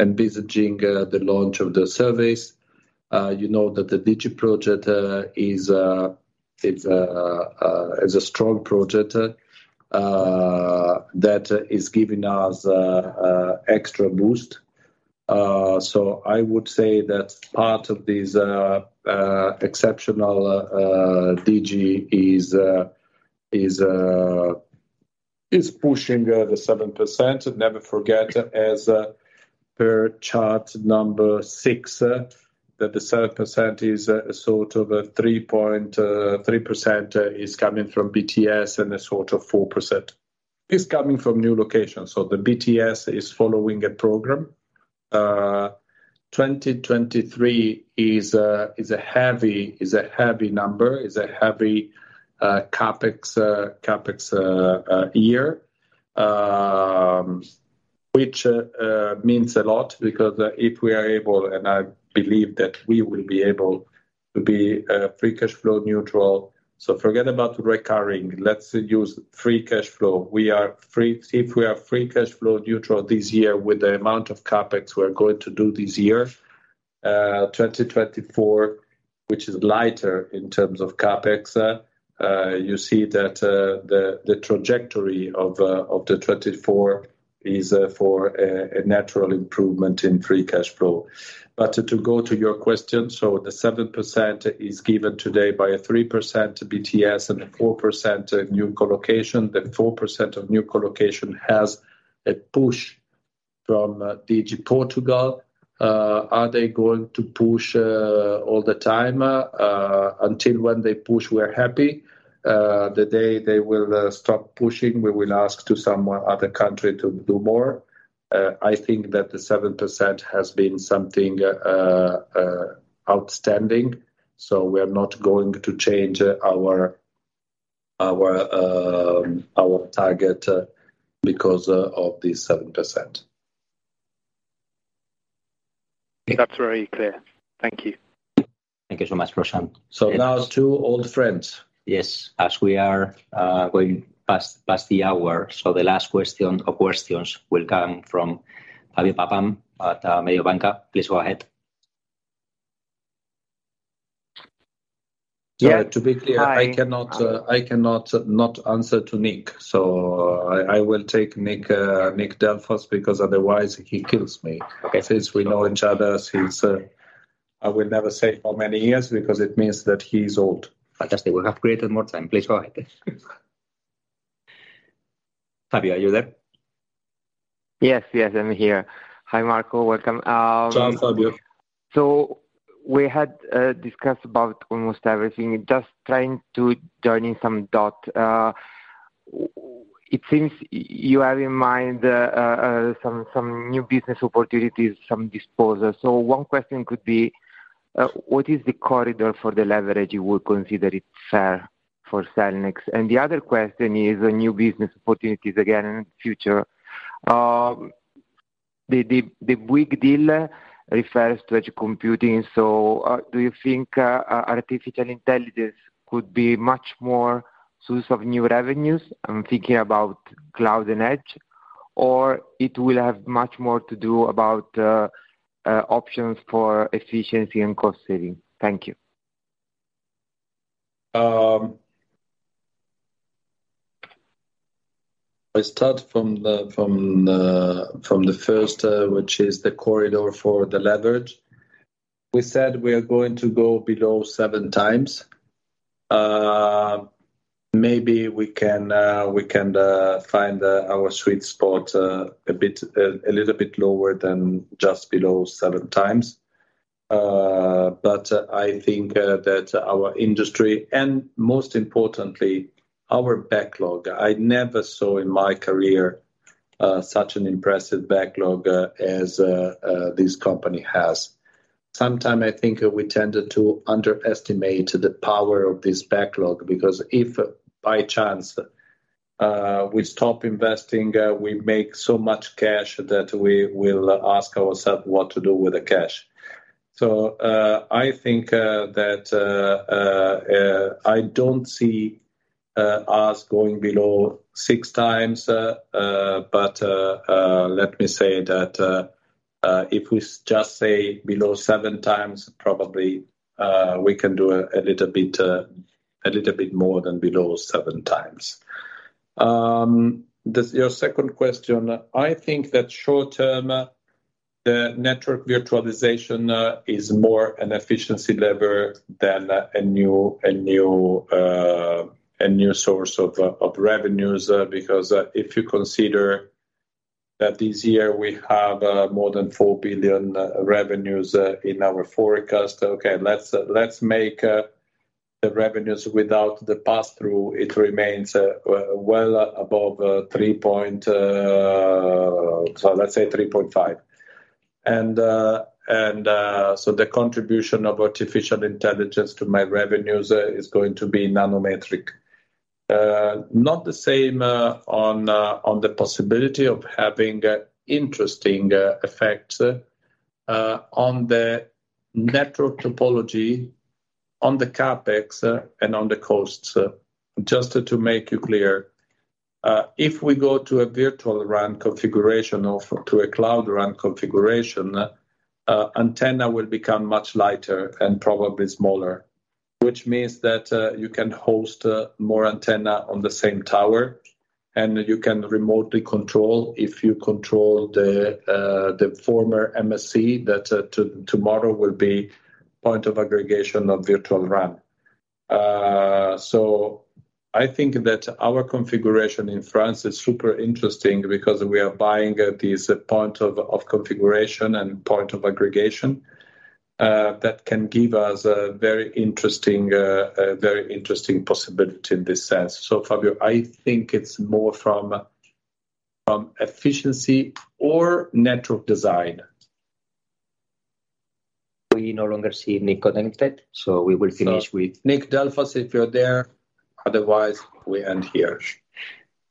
envisaging the launch of the service. You know, that the DIGI project is a, it's a, is a strong project that is giving us extra boost. I would say that part of this exceptional DIGI is pushing the 7%. Never forget, as per chart number six, that the 7% is sort of a three-point. 3% is coming from BTS, and a sort of 4% is coming from new locations. The BTS is following a program. 2023 is a heavy number, is a heavy CapEx year. Which means a lot, because if we are able, and I believe that we will be able to be free cash flow neutral. Forget about recurring. Let's use free cash flow. If we are free cash flow neutral this year with the amount of CapEx we are going to do this year, 2024, which is lighter in terms of CapEx, you see that the trajectory of 2024 is for a natural improvement in free cash flow. To go to your question, the 7% is given today by a 3% BTS and a 4% new colocation. The 4% of new colocation has a push from DIGI Portugal. Are they going to push all the time? Until when they push, we're happy. The day they will stop pushing, we will ask to some other country to do more. I think that the 7% has been something outstanding, so we are not going to change our target because of the 7%. That's very clear. Thank you. Thank you so much, Roshan. Now two old friends. Yes. As we are going past the hour, the last question or questions will come from Fabio Pavan at Mediobanca. Please go ahead. Yeah. Hi. I cannot, I cannot not answer to Nick, so I, I will take Nick, Nick Delfas, because otherwise he kills me. Okay. Since we know each other since, I will never say how many years, because it means that he's old. Fantastic. We have created more time. Please go ahead. Fabio, are you there? Yes. Yes, I'm here. Hi, Marco. Welcome. Ciao, Fabio. We had discussed about almost everything. Just trying to join in some dot. It seems you have in mind some new business opportunities, some disposals. One question could be, what is the corridor for the leverage you would consider it fair for Cellnex? The other question is new business opportunities again in the future. The big deal refers to edge computing. Do you think artificial intelligence could be much more source of new revenues? I'm thinking about cloud and edge, or it will have much more to do about options for efficiency and cost saving. Thank you. I start from the first, which is the corridor for the leverage. We said we are going to go below seven times. Maybe we can find our sweet spot a bit a little bit lower than just below seven times. I think that our industry and most importantly, our backlog, I never saw in my career such an impressive backlog as this company has. Sometime I think we tended to underestimate the power of this backlog, because if by chance, we stop investing, we make so much cash that we will ask ourselves what to do with the cash. I think that I don't see us going below 6 times, but let me say that if we just say below 7 times, probably we can do a little bit, a little bit more than below 7 times. Your second question, I think that short term, the network virtualization is more an efficiency lever than a new source of revenues. Because if you consider that this year we have more than 4 billion revenues in our forecast. Let's make the revenues without the pass through. It remains well above 3.0 billion, so let's say 3.5 billion. The contribution of artificial intelligence to my revenues is going to be nanometric. Not the same on the possibility of having a interesting effect on the network topology, on the CapEx and on the costs. Just to make you clear, if we go to a virtual RAN configuration or to a cloud RAN configuration, antenna will become much lighter and probably smaller, which means that you can host more antenna on the same tower, and you can remotely control, if you control the former MSC, that tomorrow will be point of aggregation of virtual RAN. I think that our configuration in France is super interesting because we are buying, this point of configuration and point of aggregation, that can give us a very interesting possibility in this sense. Fabio, I think it's more from efficiency or network design. We no longer see Nick connected, so we will finish. Nick Delfas, if you're there, otherwise, we end here.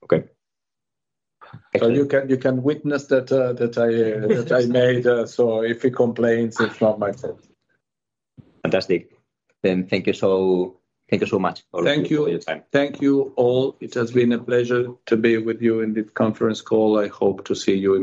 Okay. You can witness that I made. If he complains, it's not my fault. Fantastic. Thank you so much. Thank you. For your time. Thank you all. It has been a pleasure to be with you in this conference call. I hope to see you.